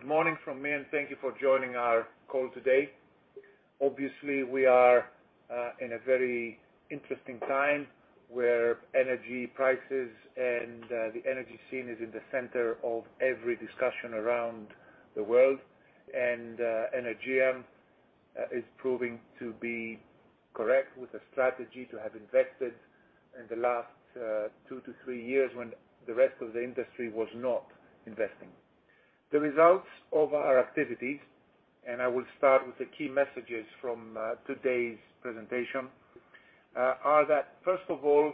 Good morning from me, and thank you for joining our call today. Obviously, we are in a very interesting time where energy prices and the energy scene is in the center of every discussion around the world. Energean is proving to be correct with the strategy to have invested in the last 2-3 years when the rest of the industry was not investing. The results of our activities, and I will start with the key messages from today's presentation, are that, first of all,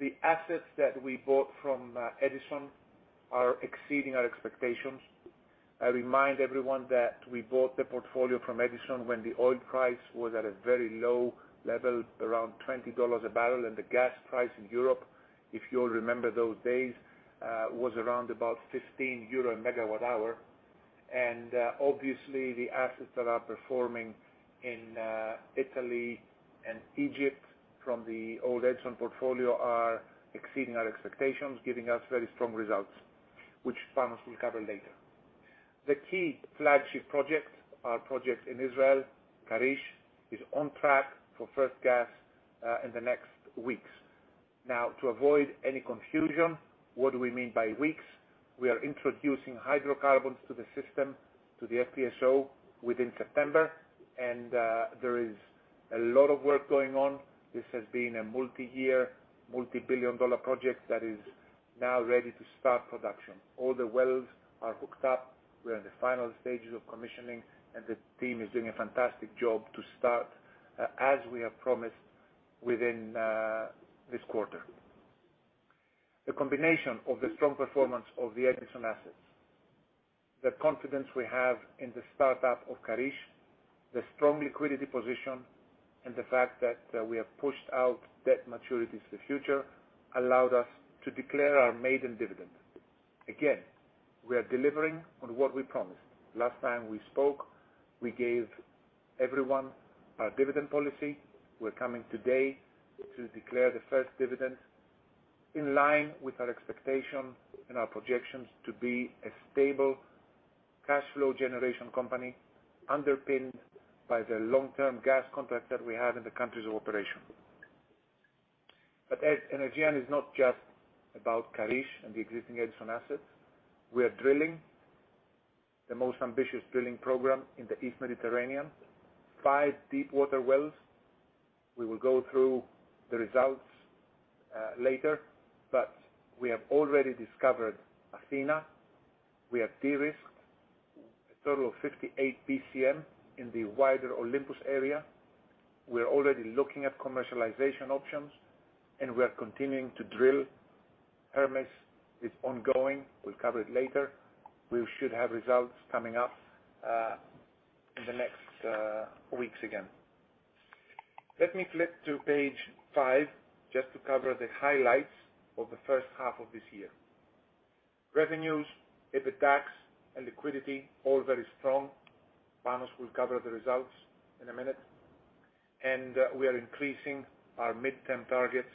the assets that we bought from Edison are exceeding our expectations. I remind everyone that we bought the portfolio from Edison when the oil price was at a very low level, around $20 a barrel, and the gas price in Europe, if you all remember those days, was around about 15 euro a megawatt hour. Obviously, the assets that are performing in Italy and Egypt from the old Edison portfolio are exceeding our expectations, giving us very strong results, which Panos will cover later. The key flagship project, our project in Israel, Karish, is on track for first gas in the next weeks. Now, to avoid any confusion, what do we mean by weeks? We are introducing hydrocarbons to the system, to the FPSO within September, and there is a lot of work going on. This has been a multi-year, multi-billion dollar project that is now ready to start production. All the wells are hooked up. We are in the final stages of commissioning, and the team is doing a fantastic job as we have promised within this quarter. The combination of the strong performance of the Edison assets, the confidence we have in the startup of Karish, the strong liquidity position, and the fact that we have pushed out debt maturities to the future, allowed us to declare our maiden dividend. Again, we are delivering on what we promised. Last time we spoke, we gave everyone our dividend policy. We're coming today to declare the first dividend in line with our expectation and our projections to be a stable cash flow generation company underpinned by the long-term gas contract that we have in the countries of operation. Energean is not just about Karish and the existing Edison assets. We are drilling the most ambitious drilling program in the East Mediterranean. 5 deep water wells. We will go through the results later, but we have already discovered Athena. We have de-risked a total of 58 BCM in the wider Olympus area. We're already looking at commercialization options, and we are continuing to drill. Hermes is ongoing. We'll cover it later. We should have results coming up in the next weeks again. Let me flip to page 5 just to cover the highlights of the first half of this year. Revenues, EBITDAX, and liquidity all very strong. Panos will cover the results in a minute. We are increasing our midterm targets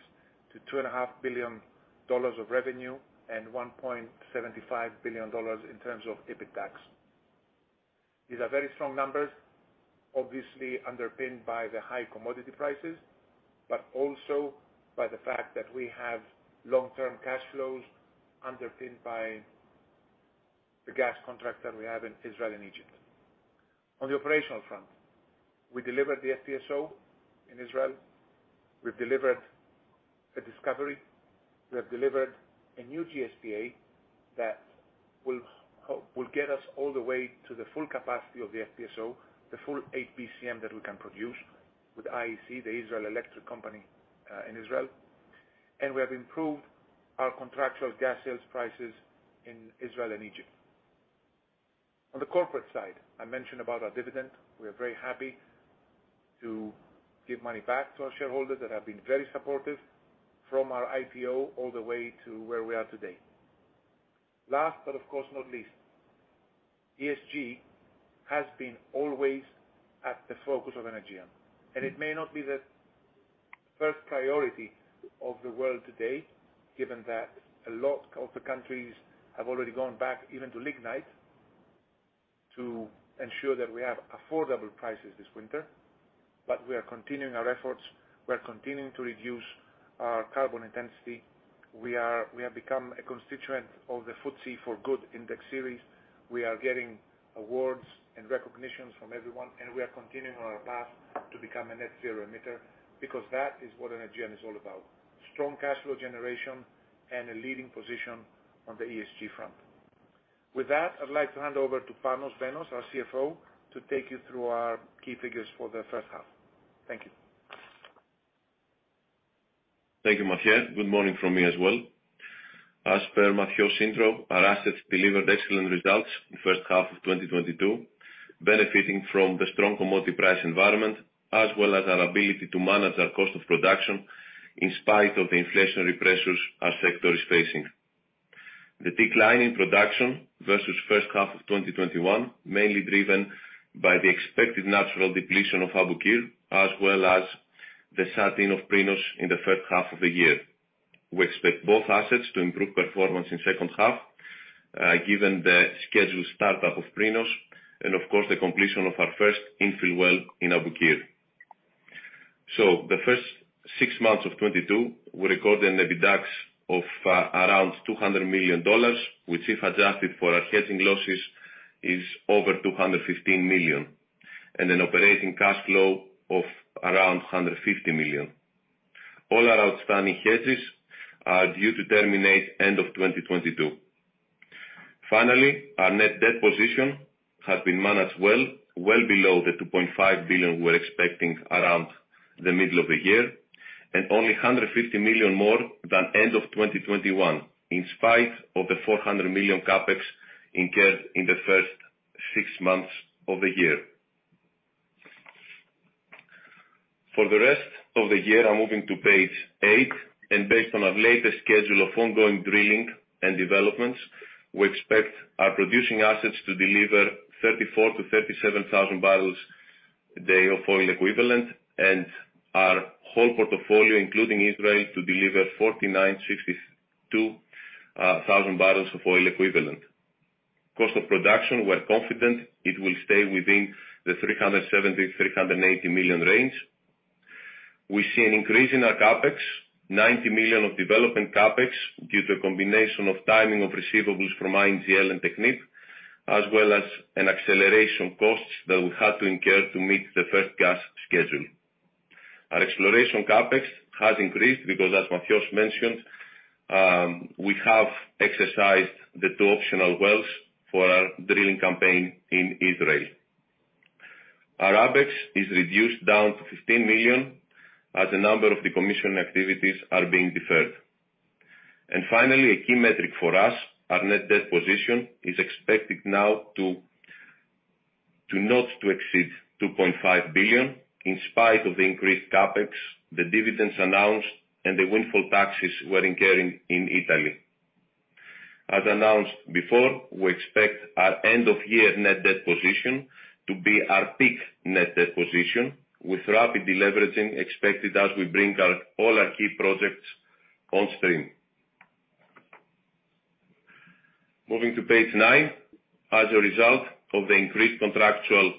to $2.5 billion of revenue and $1.75 billion in terms of EBITDAX. These are very strong numbers, obviously underpinned by the high commodity prices, but also by the fact that we have long-term cash flows underpinned by the gas contract that we have in Israel and Egypt. On the operational front, we delivered the FPSO in Israel. We've delivered a discovery. We have delivered a new GSPA that will get us all the way to the full capacity of the FPSO, the full 8 BCM that we can produce with IEC, the Israel Electric Corporation, in Israel. We have improved our contractual gas sales prices in Israel and Egypt. On the corporate side, I mentioned about our dividend. We are very happy to give money back to our shareholders that have been very supportive from our IPO all the way to where we are today. Last, but of course not least, ESG has been always at the focus of Energean. It may not be the first priority of the world today, given that a lot of the countries have already gone back even to lignite to ensure that we have affordable prices this winter. We are continuing our efforts. We are continuing to reduce our carbon intensity. We have become a constituent of the FTSE4Good Index Series. We are getting awards and recognitions from everyone, and we are continuing on our path to become a net zero emitter because that is what Energean is all about. Strong cash flow generation and a leading position on the ESG front. With that, I'd like to hand over to Panos Benos, our CFO, to take you through our key figures for the first half. Thank you. Thank you, Mathios. Good morning from me as well. As per Mathios's intro, our assets delivered excellent results in first half of 2022, benefiting from the strong commodity price environment, as well as our ability to manage our cost of production in spite of the inflationary pressures our sector is facing. The decline in production versus first half of 2021, mainly driven by the expected natural depletion of Abu Qir, as well as the shutdown of Prinos in the first half of the year. We expect both assets to improve performance in second half, given the scheduled startup of Prinos and of course, the completion of our first infill well in Abu Qir. The first six months of 2022, we recorded an EBITDAX of around $200 million, which if adjusted for our hedging losses, is over $215 million, and an operating cash flow of around $150 million. All our outstanding hedges are due to terminate end of 2022. Finally, our net debt position has been managed well, well below the $2.5 billion we're expecting around the middle of the year, and only $150 million more than end of 2021, in spite of the $400 million CapEx incurred in the first six months of the year. For the rest of the year, I'm moving to page eight. Based on our latest schedule of ongoing drilling and developments, we expect our producing assets to deliver 34,000-37,000 barrels a day of oil equivalent. Our whole portfolio, including Israel, to deliver 49-62 thousand barrels of oil equivalent. Cost of production, we're confident it will stay within the $370-$380 million range. We see an increase in our CapEx, $90 million of development CapEx due to a combination of timing of receivables from INGL and Technip, as well as acceleration costs that we had to incur to meet the first gas schedule. Our exploration CapEx has increased because, as Mathios mentioned, we have exercised the 2 optional wells for our drilling campaign in Israel. Our OpEx is reduced down to $15 million, as a number of the commission activities are being deferred. Finally, a key metric for us, our net debt position, is expected now to not exceed $2.5 billion in spite of the increased CapEx, the dividends announced, and the windfall taxes we're incurring in Italy. As announced before, we expect our end of year net debt position to be our peak net debt position, with rapid deleveraging expected as we bring our all our key projects on stream. Moving to page nine. As a result of the increased contractual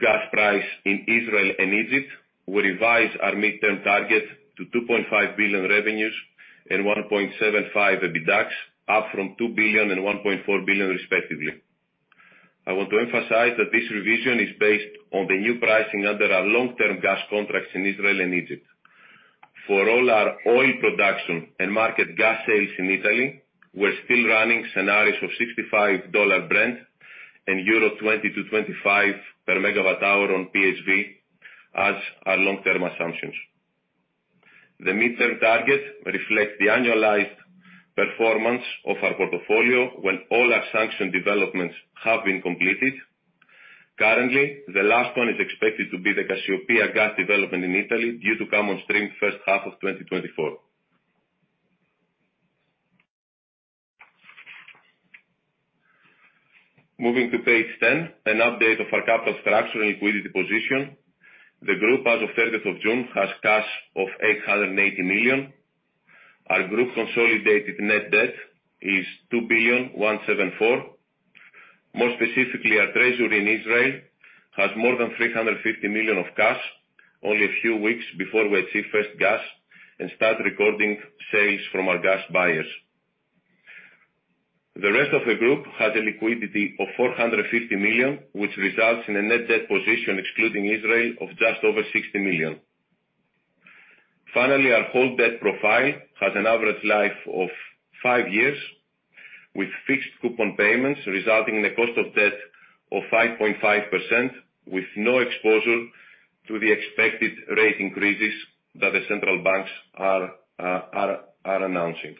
gas price in Israel and Egypt, we revise our midterm target to $2.5 billion revenues and $1.75 billion EBITDAX, up from $2 billion and $1.4 billion respectively. I want to emphasize that this revision is based on the new pricing under our long-term gas contracts in Israel and Egypt. For all our oil production and marketed gas sales in Italy, we're still running scenarios of $65 Brent and 20-25 per MWh on PSV as our long-term assumptions. The mid-term target reflects the annualized performance of our portfolio when all our sanctioned developments have been completed. Currently, the last one is expected to be the Cassiopea gas development in Italy, due to come on stream first half of 2024. Moving to page 10, an update of our capital structure and liquidity position. The group as of 30th of June has cash of $880 million. Our group consolidated net debt is $2,174 million. More specifically, our treasury in Israel has more than $350 million of cash, only a few weeks before we achieve first gas and start recording sales from our gas buyers. The rest of the group has a liquidity of $450 million, which results in a net debt position excluding Israel of just over $60 million. Finally, our whole debt profile has an average life of 5 years, with fixed coupon payments resulting in a cost of debt of 5.5%, with no exposure to the expected rate increases that the central banks are announcing.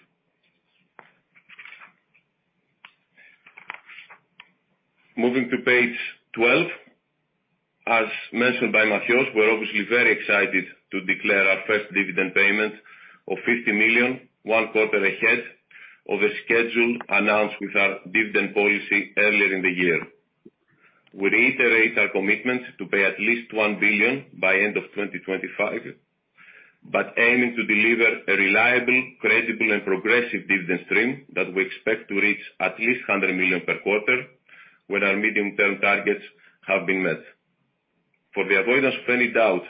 Moving to page 12. As mentioned by Mathios, we're obviously very excited to declare our first dividend payment of $50 million, one quarter ahead of the schedule announced with our dividend policy earlier in the year. We reiterate our commitment to pay at least $1 billion by end of 2025, but aiming to deliver a reliable, credible, and progressive dividend stream that we expect to reach at least $100 million per quarter when our medium-term targets have been met. For the avoidance of any doubt,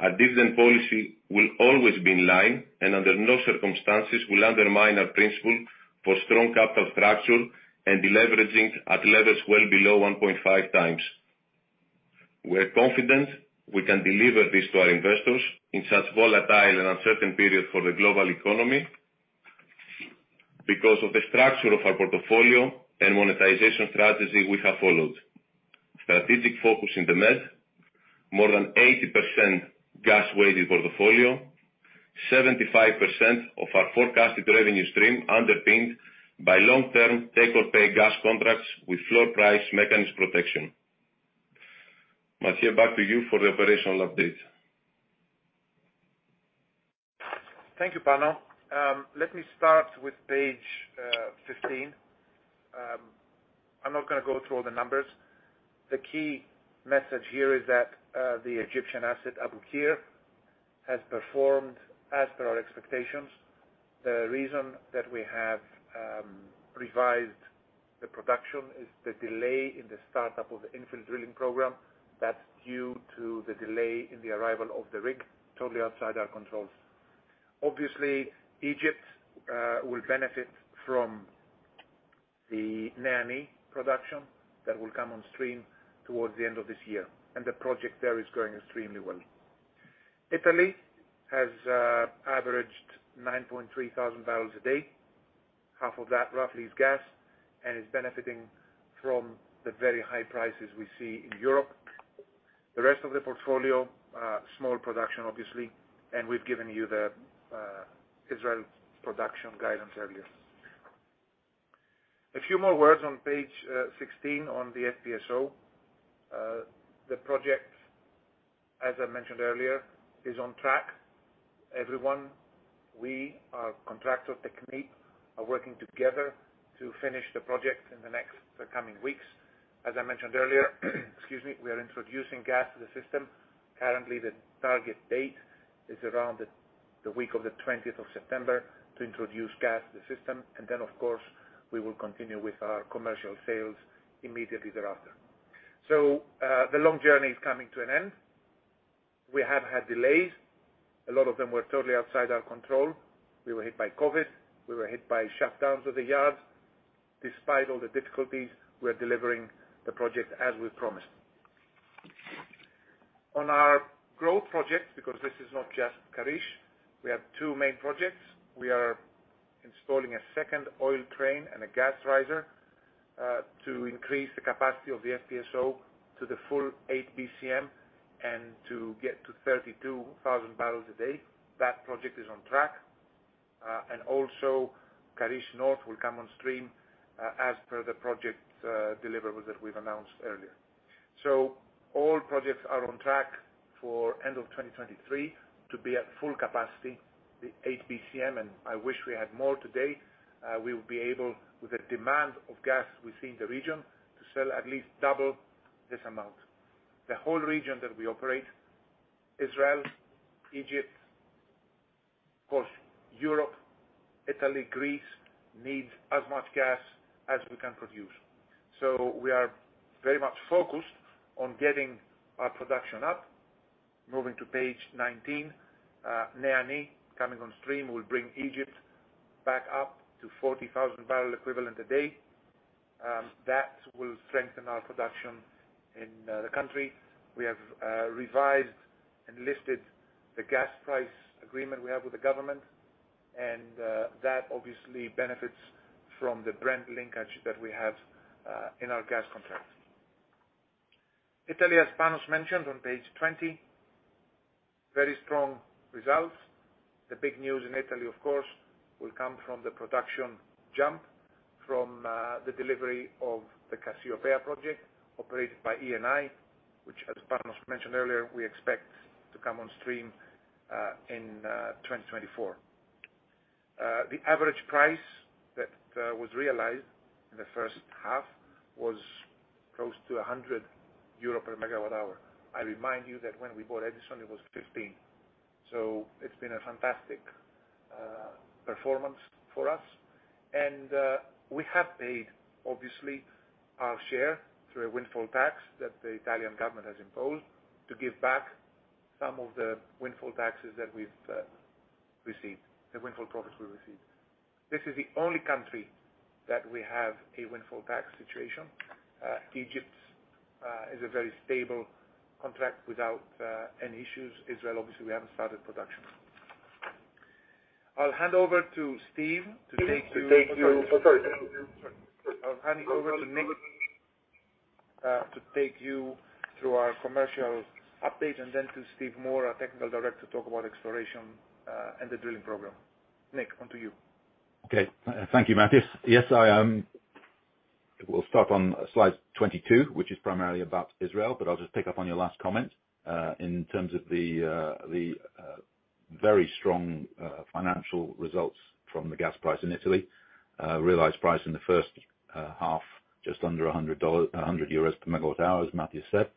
our dividend policy will always be in line, and under no circumstances will undermine our principle for strong capital structure and deleveraging at levels well below 1.5 times. We're confident we can deliver this to our investors in such volatile and uncertain period for the global economy because of the structure of our portfolio and monetization strategy we have followed. Strategic focus in the Med, more than 80% gas-weighted portfolio, 75% of our forecasted revenue stream underpinned by long-term take-or-pay gas contracts with floor price mechanism protection. Mathios, back to you for the operational update. Thank you, Panos. Let me start with page 15. I'm not gonna go through all the numbers. The key message here is that the Egyptian asset, Abu Qir, has performed as per our expectations. The reason that we have revised the production is the delay in the startup of the infill drilling program that's due to the delay in the arrival of the rig, totally outside our controls. Obviously, Egypt will benefit from the NEA/NI production that will come on stream towards the end of this year, and the project there is going extremely well. Italy has averaged 9,300 barrels a day. Half of that roughly is gas and is benefiting from the very high prices we see in Europe. The rest of the portfolio, small production obviously, and we've given you the Israel production guidance earlier. A few more words on page 16 on the FPSO. The project, as I mentioned earlier, is on track. Our contractor, Technip, are working together to finish the project in the coming weeks. As I mentioned earlier, excuse me, we are introducing gas to the system. Currently, the target date is around the week of the 20th of September to introduce gas to the system. Of course, we will continue with our commercial sales immediately thereafter. The long journey is coming to an end. We have had delays. A lot of them were totally outside our control. We were hit by COVID. We were hit by shutdowns of the yard. Despite all the difficulties, we are delivering the project as we promised. On our growth projects, because this is not just Karish, we have two main projects. We are installing a second oil crane and a gas riser to increase the capacity of the FPSO to the full 8 BCM and to get to 32,000 barrels a day. That project is on track. Also, Karish North will come on stream as per the project deliverables that we've announced earlier. All projects are on track for end of 2023 to be at full capacity, the 8 BCM, and I wish we had more today. We will be able, with the demand of gas we see in the region, to sell at least double this amount. The whole region that we operate, Israel, Egypt, of course, Europe, Italy, Greece, needs as much gas as we can produce. We are very much focused on getting our production up. Moving to page 19. NEA/NI coming on stream will bring Egypt back up to 40,000 barrel equivalent a day. That will strengthen our production in the country. We have revised and lifted the gas price agreement we have with the government, and that obviously benefits from the Brent linkage that we have in our gas contracts. Italy, as Panos mentioned on page 20, very strong results. The big news in Italy, of course, will come from the production jump from the delivery of the Cassiopea project operated by Eni, which, as Panos mentioned earlier, we expect to come on stream in 2024. The average price that was realized in the first half was close to 100 euro per megawatt hour. I remind you that when we bought Edison, it was 15. It's been a fantastic performance for us. We have paid, obviously, our share through a windfall tax that the Italian government has imposed to give back some of the windfall taxes that we've received, the windfall profits we received. This is the only country that we have a windfall tax situation. Egypt's is a very stable contract without any issues. Israel, obviously, we haven't started production. I'll hand over to Steve to take you- Sorry. I'll hand over to Nick, to take you through our commercial update and then to Stephen Moore, our Technical Director, to talk about exploration, and the drilling program. Nick, on to you. Okay. Thank you, Matthew. Yes, I will start on slide 22, which is primarily about Israel, but I'll just pick up on your last comment, in terms of the very strong financial results from the gas price in Italy. Realized price in the first half, just under a hundred dollars, a hundred euros per megawatt hour, as Matthew said.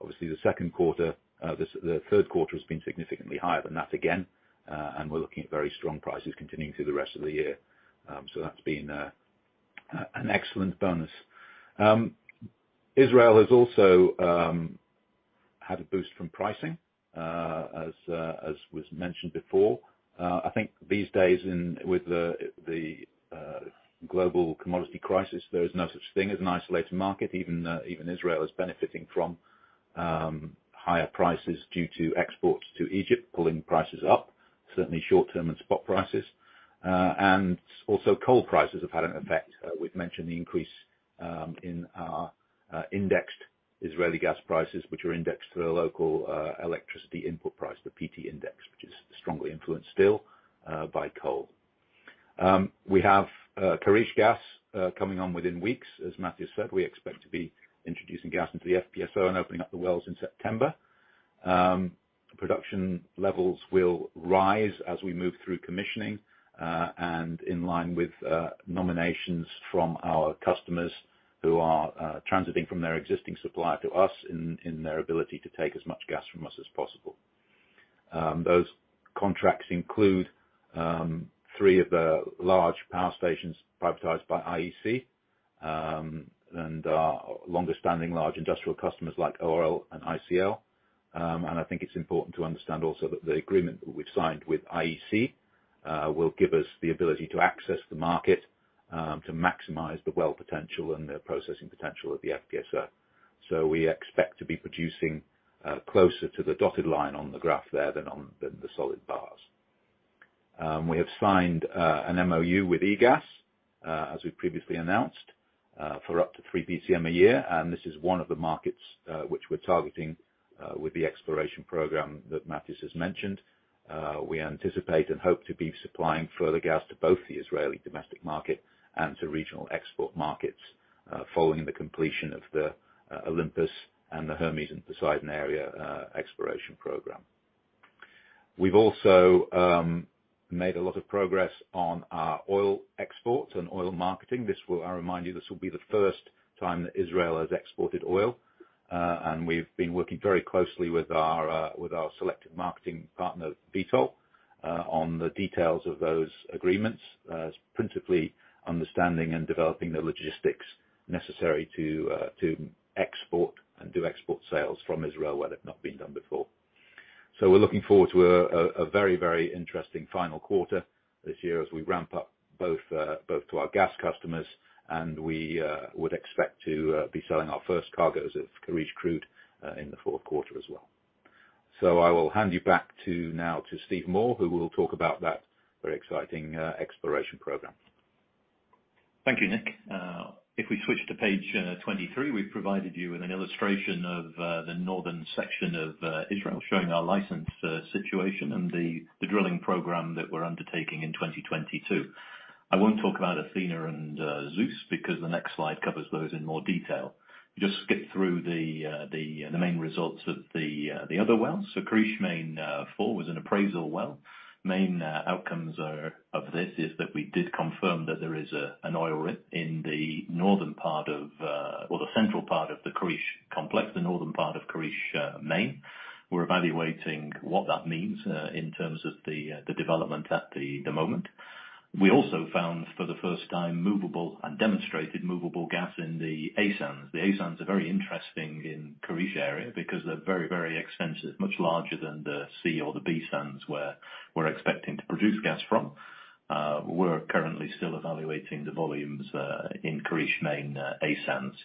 Obviously, the second quarter, the third quarter has been significantly higher than that again, and we're looking at very strong prices continuing through the rest of the year. That's been an excellent bonus. Israel has also had a boost from pricing, as was mentioned before. I think these days, with the global commodity crisis, there is no such thing as an isolated market. Even Israel is benefiting from higher prices due to exports to Egypt, pulling prices up, certainly short-term and spot prices. Coal prices have had an effect. We've mentioned the increase in our indexed Israeli gas prices, which are indexed through a local electricity input price, the PPI index, which is strongly influenced still by coal. We have Karish gas coming on within weeks. As Matthew said, we expect to be introducing gas into the FPSO and opening up the wells in September. Production levels will rise as we move through commissioning and in line with nominations from our customers who are transiting from their existing supplier to us in their ability to take as much gas from us as possible. Those contracts include 3 of the large power stations privatized by IEC, and longer-standing large industrial customers like ORL and ICL. I think it's important to understand also that the agreement that we've signed with IEC will give us the ability to access the market to maximize the well potential and the processing potential of the FPSO. We expect to be producing closer to the dotted line on the graph there than the solid bars. We have signed an MoU with EGAS, as we've previously announced, for up to 3 BCM a year. This is one of the markets which we're targeting with the exploration program that Mathios has mentioned. We anticipate and hope to be supplying further gas to both the Israeli domestic market and to regional export markets, following the completion of the Olympus and the Hermes and Poseidon area exploration program. We've also made a lot of progress on our oil exports and oil marketing. I remind you, this will be the first time that Israel has exported oil. We've been working very closely with our selected marketing partner, Vitol, on the details of those agreements, principally understanding and developing the logistics necessary to export and do export sales from Israel where they've not been done before. We're looking forward to a very interesting final quarter this year as we ramp up both to our gas customers, and we would expect to be selling our first cargoes of Karish crude in the fourth quarter as well. I will hand you back now to Stephen Moore, who will talk about that very exciting exploration program. Thank you, Nick. If we switch to page 23, we've provided you with an illustration of the northern section of Israel, showing our license situation and the drilling program that we're undertaking in 2022. I won't talk about Athena and Zeus, because the next slide covers those in more detail. Just skip through the main results of the other wells. Karish Main 4 was an appraisal well. Main outcomes are that we did confirm that there is an oil rim in the northern part of or the central part of the Karish complex, the northern part of Karish Main. We're evaluating what that means in terms of the development at the moment. We also found for the first time movable and demonstrated movable gas in the A sands. The A sands are very interesting in Karish area because they're very, very extensive, much larger than the C or the B sands where we're expecting to produce gas from. We're currently still evaluating the volumes in Karish Main A sands.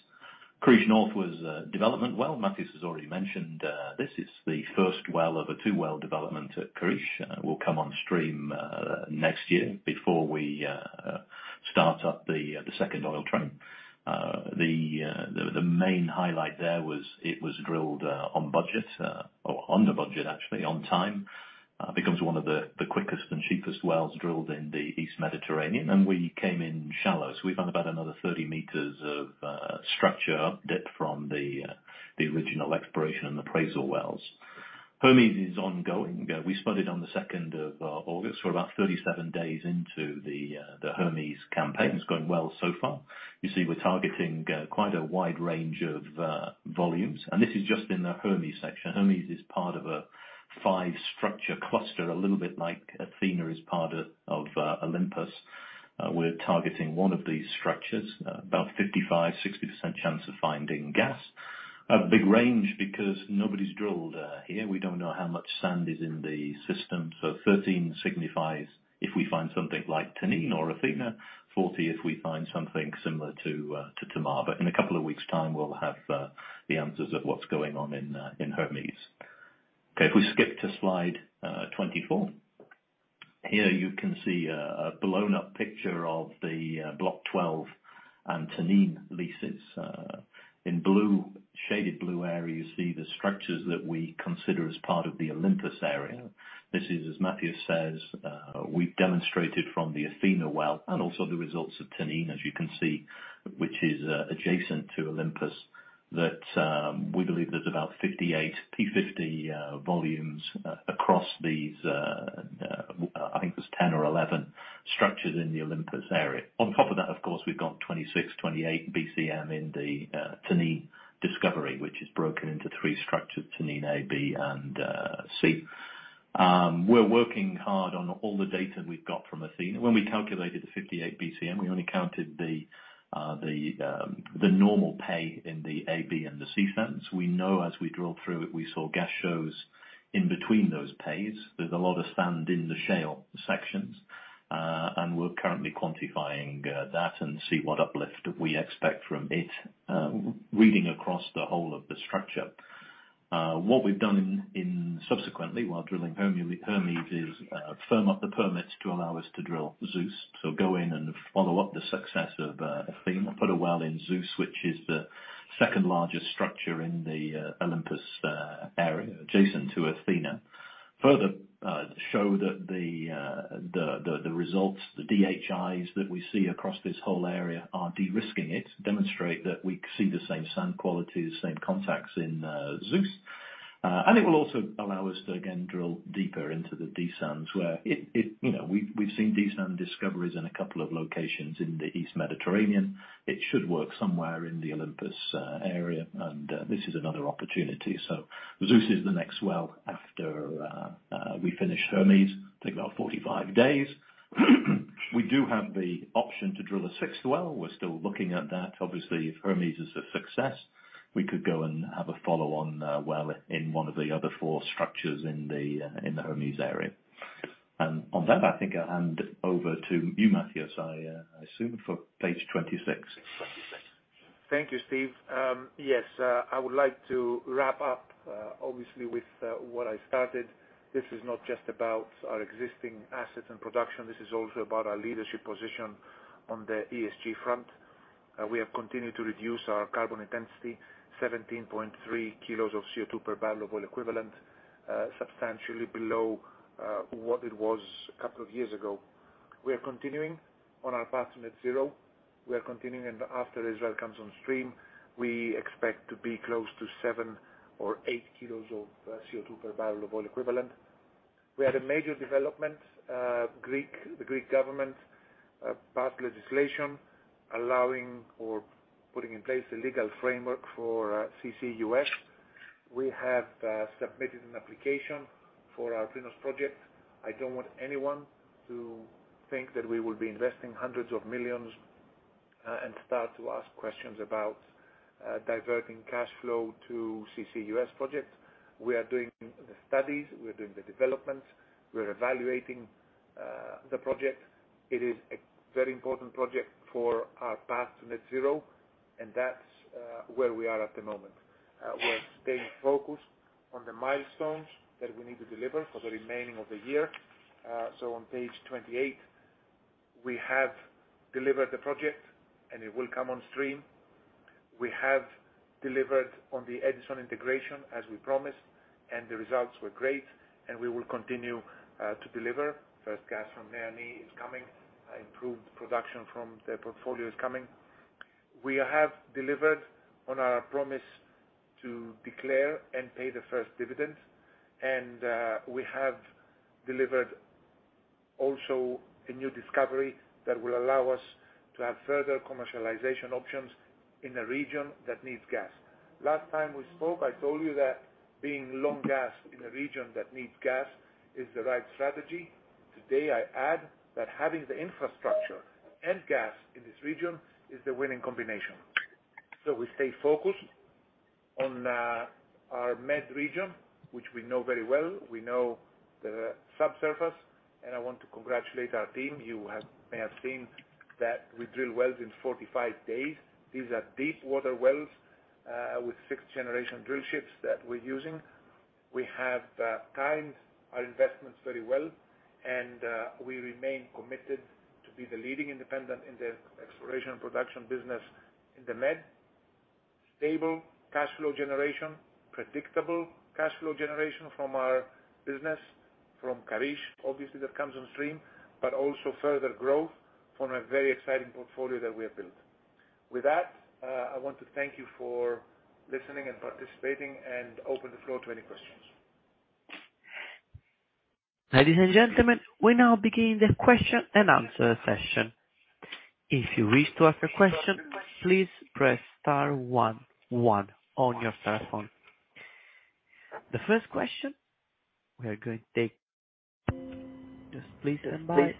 Karish North was a development well. Mathios has already mentioned this. It's the first well of a two-well development at Karish. It will come on stream next year before we start up the second oil train. The main highlight there was it was drilled on budget or under budget, actually, on time. Becomes one of the quickest and cheapest wells drilled in the East Mediterranean, and we came in shallow, so we found about another 30 meters of structure updip from the original exploration and appraisal wells. Hermes is ongoing. We spudded on the second of August. We're about 37 days into the Hermes campaign. It's going well so far. You see, we're targeting quite a wide range of volumes, and this is just in the Hermes section. Hermes is part of a 5-structure cluster, a little bit like Athena is part of Olympus. We're targeting one of these structures, about 55%-60% chance of finding gas. A big range because nobody's drilled here. We don't know how much sand is in the system. Thirteen signifies if we find something like Tanin or Athena, 40 if we find something similar to Tamar. In a couple of weeks' time, we'll have the answers of what's going on in Hermes. Okay. If we skip to slide 24. Here you can see a blown-up picture of the Block 12 and Tanin leases. In blue, shaded blue area, you see the structures that we consider as part of the Olympus area. This is, as Mathios says, we've demonstrated from the Athena well and also the results of Tanin, as you can see, which is adjacent to Olympus, that we believe there's about 58 P50 volumes across these. I think there's 10 or 11 structures in the Olympus area. On top of that, of course, we've got 26-28 BCM in the Tanin discovery, which is broken into three structures, Tanin A, B, and C. We're working hard on all the data we've got from Athena. When we calculated the 58 BCM, we only counted the normal pay in the A, B, and the C sands. We know as we drilled through it, we saw gas shows in between those pays. There's a lot of sand in the shale sections, and we're currently quantifying that and see what uplift we expect from it, reading across the whole of the structure. What we've done subsequently while drilling Hermes is firm up the permits to allow us to drill Zeus. go in and follow up the success of Athena, put a well in Zeus, which is the second-largest structure in the Olympus area adjacent to Athena. Further, show that the results, the DHIs that we see across this whole area are de-risking it, demonstrate that we see the same sand quality, the same contacts in Zeus. and it will also allow us to again drill deeper into the D sands, where we've seen D sand discoveries in a couple of locations in the East Mediterranean. It should work somewhere in the Olympus area, and this is another opportunity. Zeus is the next well after we finish Hermes. Take about 45 days. We do have the option to drill a sixth well. We're still looking at that. Obviously, if Hermes is a success, we could go and have a follow-on, well in one of the other four structures in the Hermes area. On that, I think I'll hand over to you, Mathios, I assume, for page 26. Thank you, Steve. Yes, I would like to wrap up obviously with what I started. This is not just about our existing assets and production. This is also about our leadership position on the ESG front. We have continued to reduce our carbon intensity, 17.3 kilos of CO2 per barrel of oil equivalent, substantially below what it was a couple of years ago. We are continuing on our path to net zero, and after Israel comes on stream, we expect to be close to 7 or 8 kilos of CO2 per barrel of oil equivalent. We had a major development, the Greek government passed legislation allowing or putting in place a legal framework for CCUS. We have submitted an application for our Prinos project. I don't want anyone to think that we will be investing $hundreds of millions and start to ask questions about diverting cash flow to CCUS projects. We are doing the studies, we're doing the developments, we're evaluating the project. It is a very important project for our path to net zero, and that's where we are at the moment. We're staying focused on the milestones that we need to deliver for the remaining of the year. On page 28, we have delivered the project, and it will come on stream. We have delivered on the Edison integration, as we promised, and the results were great, and we will continue to deliver. First gas from NEA/NI is coming. Improved production from the portfolio is coming. We have delivered on our promise to declare and pay the first dividend, and we have delivered also a new discovery that will allow us to have further commercialization options in a region that needs gas. Last time we spoke, I told you that being long gas in a region that needs gas is the right strategy. Today, I add that having the infrastructure and gas in this region is the winning combination. We stay focused on our Med region, which we know very well. We know the subsurface, and I want to congratulate our team. You may have seen that we drill wells in 45 days. These are deep water wells with sixth-generation drill ships that we're using. We have timed our investments very well, and we remain committed to be the leading independent in the exploration and production business in the Med. Stable cash flow generation, predictable cash flow generation from our business, from Karish, obviously, that comes on stream, but also further growth from a very exciting portfolio that we have built. With that, I want to thank you for listening and participating and open the floor to any questions. Ladies and gentlemen, we now begin the question and answer session. If you wish to ask a question, please press star one one on your telephone. The first question we are going to take. Just please stand by.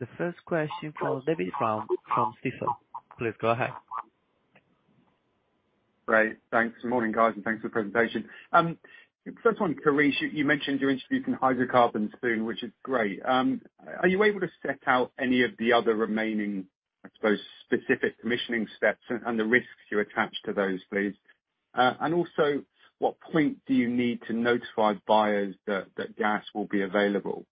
The first question from David Round from Stifel. Please go ahead. Great. Thanks. Morning, guys, and thanks for the presentation. First one, Karish, you mentioned you're introducing hydrocarbons soon, which is great. Are you able to set out any of the other remaining, I suppose, specific commissioning steps and the risks you attach to those, please? Also, what point do you need to notify buyers that gas will be available?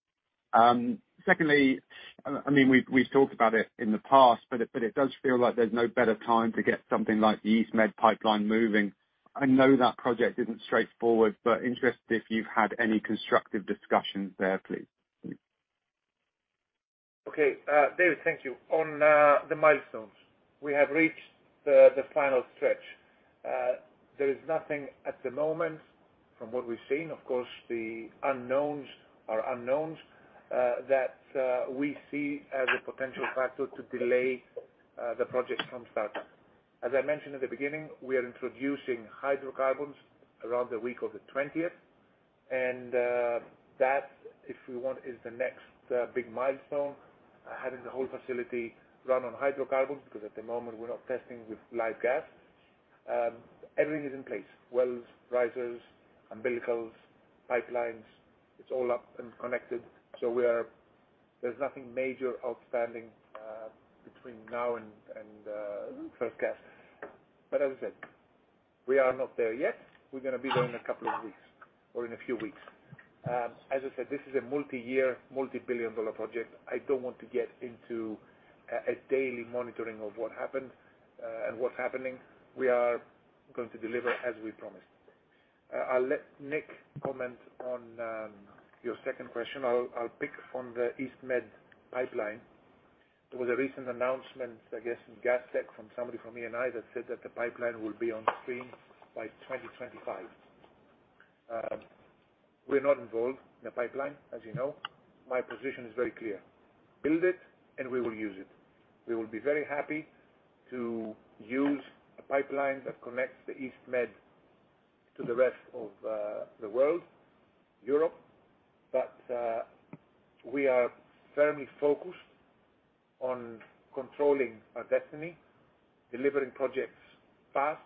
Secondly, I mean, we've talked about it in the past, but it does feel like there's no better time to get something like the EastMed pipeline moving. I know that project isn't straightforward, but interested if you've had any constructive discussions there, please. Okay. David, thank you. On the milestones. We have reached the final stretch. There is nothing at the moment, from what we've seen, of course, the unknowns are unknowns, that we see as a potential factor to delay the project from starting. As I mentioned at the beginning, we are introducing hydrocarbons around the week of the 20th. That, if we want, is the next big milestone, having the whole facility run on hydrocarbons, because at the moment, we're not testing with live gas. Everything is in place. Wells, risers, umbilicals, pipelines, it's all up and connected, so we are. There's nothing major outstanding between now and first gas. As I said, we are not there yet. We're gonna be there in a couple of weeks or in a few weeks. As I said, this is a multi-year, multi-billion dollar project. I don't want to get into a daily monitoring of what happened and what's happening. We are going to deliver as we promised. I'll let Nick comment on your second question. I'll pick from the EastMed pipeline. There was a recent announcement, I guess, in Gastech from somebody from Eni that said that the pipeline will be on stream by 2025. We're not involved in the pipeline, as you know. My position is very clear. Build it, and we will use it. We will be very happy to use a pipeline that connects the EastMed to the rest of the world, Europe. We are firmly focused on controlling our destiny, delivering projects fast,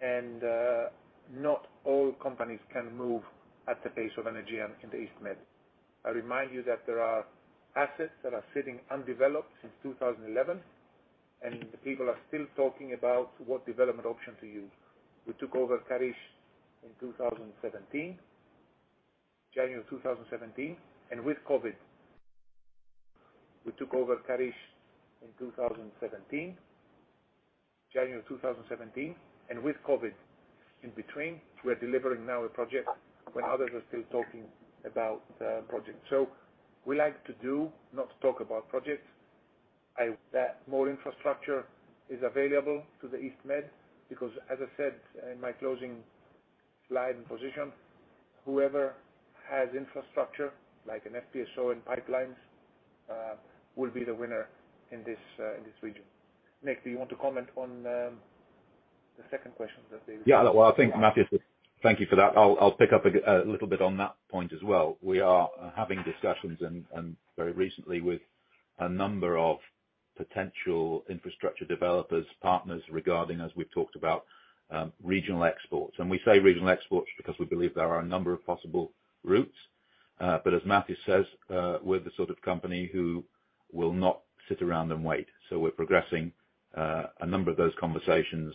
and not all companies can move at the pace of Energean in the EastMed. I remind you that there are assets that are sitting undeveloped since 2011, and people are still talking about what development option to use. We took over Karish in 2017, January 2017. With COVID in between, we're delivering now a project when others are still talking about the project. We like to do, not to talk about projects. that more infrastructure is available to the EastMed because as I said in my closing slide and position, whoever has infrastructure like an FPSO and pipelines, will be the winner in this region. Nick, do you want to comment on, the second question that they- Yeah. Well, I think Matthew. Thank you for that. I'll pick up a little bit on that point as well. We are having discussions and very recently with a number of potential infrastructure developers, partners regarding, as we've talked about, regional exports. We say regional exports because we believe there are a number of possible routes. As Matthew says, we're the sort of company who will not sit around and wait. We're progressing a number of those conversations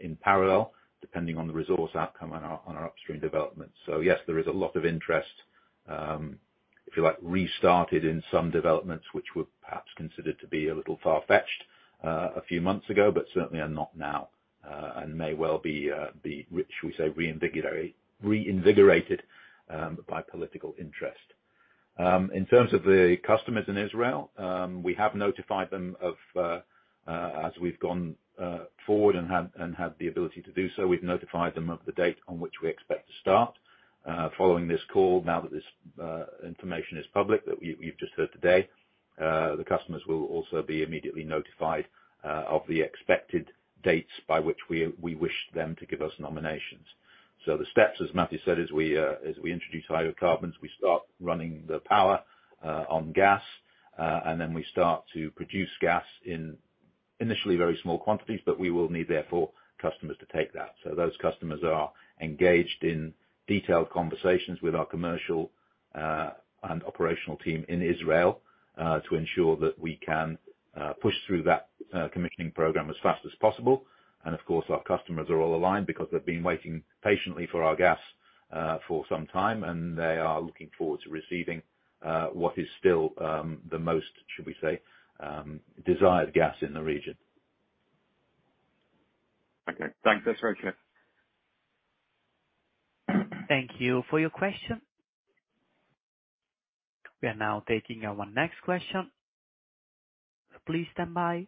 in parallel, depending on the resource outcome on our upstream development. Yes, there is a lot of interest, if you like, restarted in some developments, which were perhaps considered to be a little far-fetched, a few months ago, but certainly are not now, and may well be, should we say, reinvigorated by political interest. In terms of the customers in Israel, we have notified them of, as we've gone forward and have the ability to do so, we've notified them of the date on which we expect to start. Following this call, now that this information is public, that we've just heard today, the customers will also be immediately notified of the expected dates by which we wish them to give us nominations. The steps, as Mathios said, as we introduce hydrocarbons, we start running the power on gas, and then we start to produce gas in initially very small quantities, but we will need therefore customers to take that. Those customers are engaged in detailed conversations with our commercial and operational team in Israel to ensure that we can push through that commissioning program as fast as possible. Of course, our customers are all aligned because they've been waiting patiently for our gas for some time, and they are looking forward to receiving what is still the most, should we say, desired gas in the region. Okay, thanks. That's very clear. Thank you for your question. We are now taking our next question. Please stand by.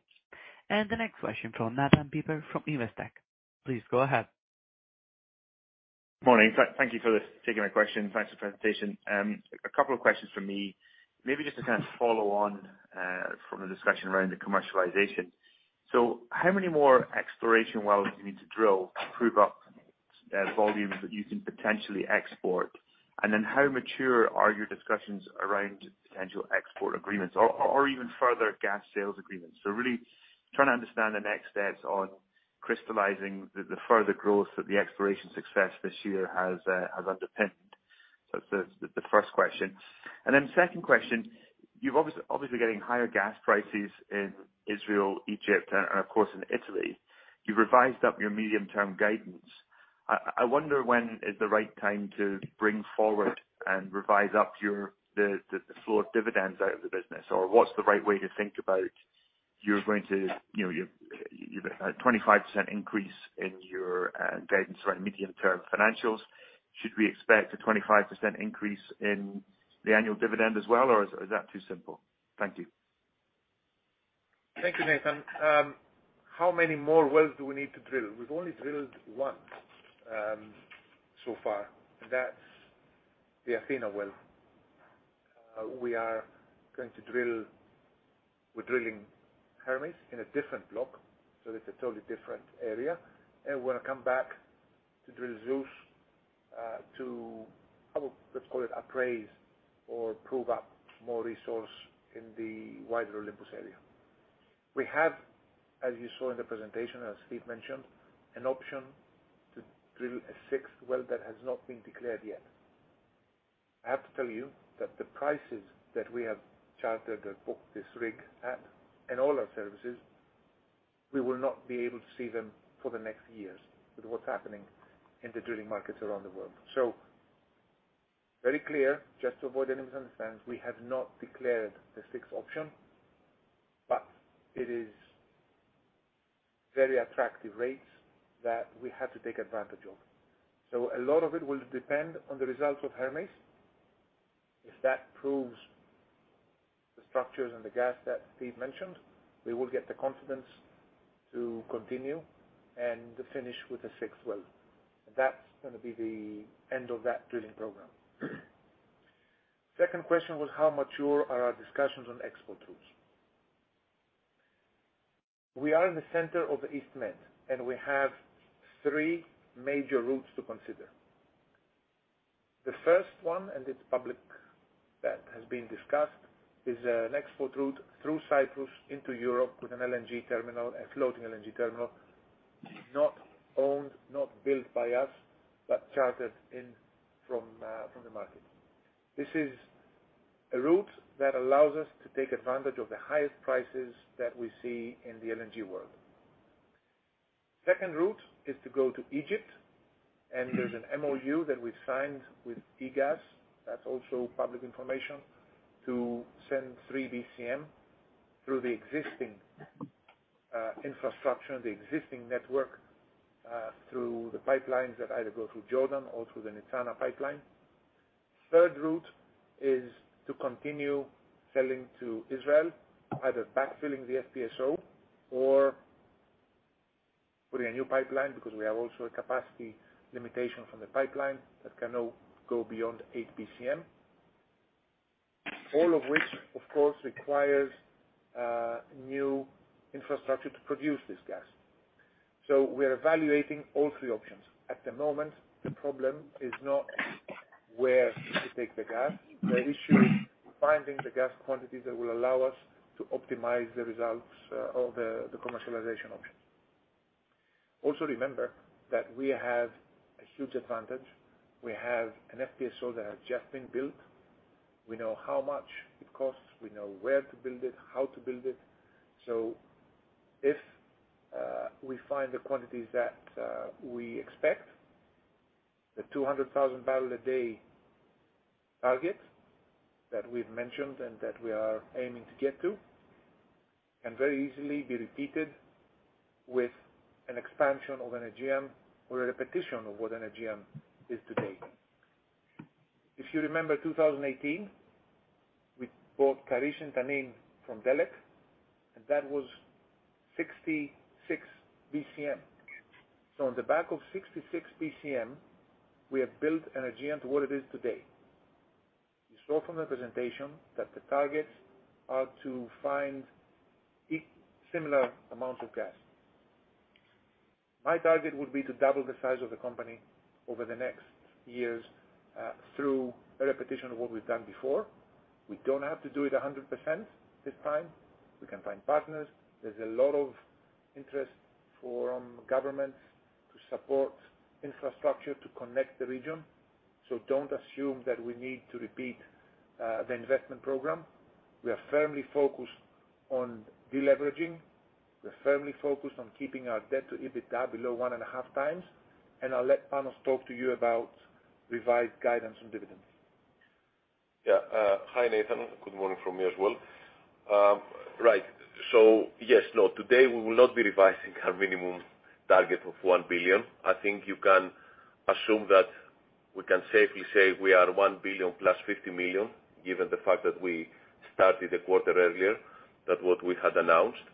The next question from Nathan Piper from Investec. Please go ahead. Morning. Thank you for this, taking my question. Thanks for the presentation. A couple of questions from me. Maybe just to kind of follow on from the discussion around the commercialization. How many more exploration wells do you need to drill to prove up the volumes that you can potentially export? And then how mature are your discussions around potential export agreements or even further gas sales agreements? Really trying to understand the next steps on crystallizing the further growth that the exploration success this year has underpinned. It's the first question. And then second question, you're obviously getting higher gas prices in Israel, Egypt and of course in Italy. You've revised up your medium-term guidance. I wonder when is the right time to bring forward and revise up your the flow of dividends out of the business, or what's the right way to think about you're going to, you know, you've had a 25% increase in your guidance around medium-term financials. Should we expect a 25% increase in the annual dividend as well, or is that too simple? Thank you. Thank you, Nathan. How many more wells do we need to drill? We've only drilled one so far, and that's the Athena well. We are going to drill. We're drilling Hermes in a different block, so this is a totally different area. We're gonna come back to drill Zeus to appraise or prove up more resource in the wider Olympus area. We have, as you saw in the presentation, as Steve mentioned, an option to drill a sixth well that has not been declared yet. I have to tell you that the prices that we have chartered or booked this rig at, and all our services. We will not be able to see them for the next years with what's happening in the drilling markets around the world. Very clear, just to avoid any misunderstandings, we have not declared the sixth option, but it is very attractive rates that we have to take advantage of. A lot of it will depend on the results of Hermes. If that proves the structures and the gas that Steve mentioned, we will get the confidence to continue and to finish with the sixth well. That's gonna be the end of that drilling program. Second question was how mature are our discussions on export routes? We are in the center of East Med, and we have three major routes to consider. The first one, and it's public, that has been discussed, is an export route through Cyprus into Europe with an LNG terminal, a floating LNG terminal, not owned, not built by us, but chartered in from the market. This is a route that allows us to take advantage of the highest prices that we see in the LNG world. Second route is to go to Egypt, and there's a MoU that we've signed with EGAS, that's also public information, to send 3 BCM through the existing infrastructure, the existing network through the pipelines that either go through Jordan or through the EMG pipeline. Third route is to continue selling to Israel, either backfilling the FPSO or putting a new pipeline because we have also a capacity limitation from the pipeline that cannot go beyond 8 BCM. All of which, of course, requires new infrastructure to produce this gas. We are evaluating all three options. At the moment, the problem is not where to take the gas. The issue is finding the gas quantities that will allow us to optimize the results of the commercialization options. Also, remember that we have a huge advantage. We have an FPSO that has just been built. We know how much it costs, we know where to build it, how to build it. If we find the quantities that we expect, the 200,000 barrel a day target that we've mentioned and that we are aiming to get to can very easily be repeated with an expansion of Energean or a repetition of what Energean is today. If you remember, 2018, we bought Karish and Tanin from Delek, and that was 66 BCM. On the back of 66 BCM, we have built Energean to what it is today. You saw from the presentation that the targets are to find similar amounts of gas. My target would be to double the size of the company over the next years, through a repetition of what we've done before. We don't have to do it 100% this time. We can find partners. There's a lot of interest from governments to support infrastructure to connect the region. Don't assume that we need to repeat the investment program. We are firmly focused on deleveraging. We're firmly focused on keeping our debt to EBITDA below one and a half times. I'll let Panos talk to you about revised guidance and dividends. Yeah. Hi, Nathan. Good morning from me as well. Right. Yes. No, today we will not be revising our minimum target of $1 billion. I think you can assume that we can safely say we are $1 billion + $50 million, given the fact that we started a quarter earlier than what we had announced.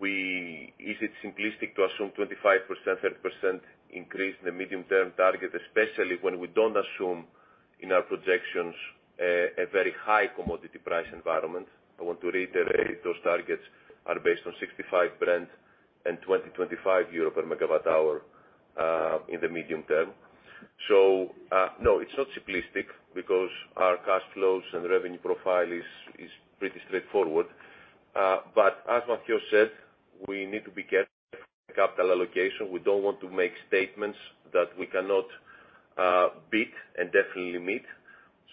Is it simplistic to assume 25%, 30% increase in the medium-term target, especially when we don't assume in our projections a very high commodity price environment? I want to reiterate, those targets are based on $65 Brent and €20-€25 per megawatt hour in the medium term. No, it's not simplistic because our cash flows and revenue profile is pretty straightforward. But as Mathios said, we need to be careful with capital allocation. We don't want to make statements that we cannot beat and definitely meet.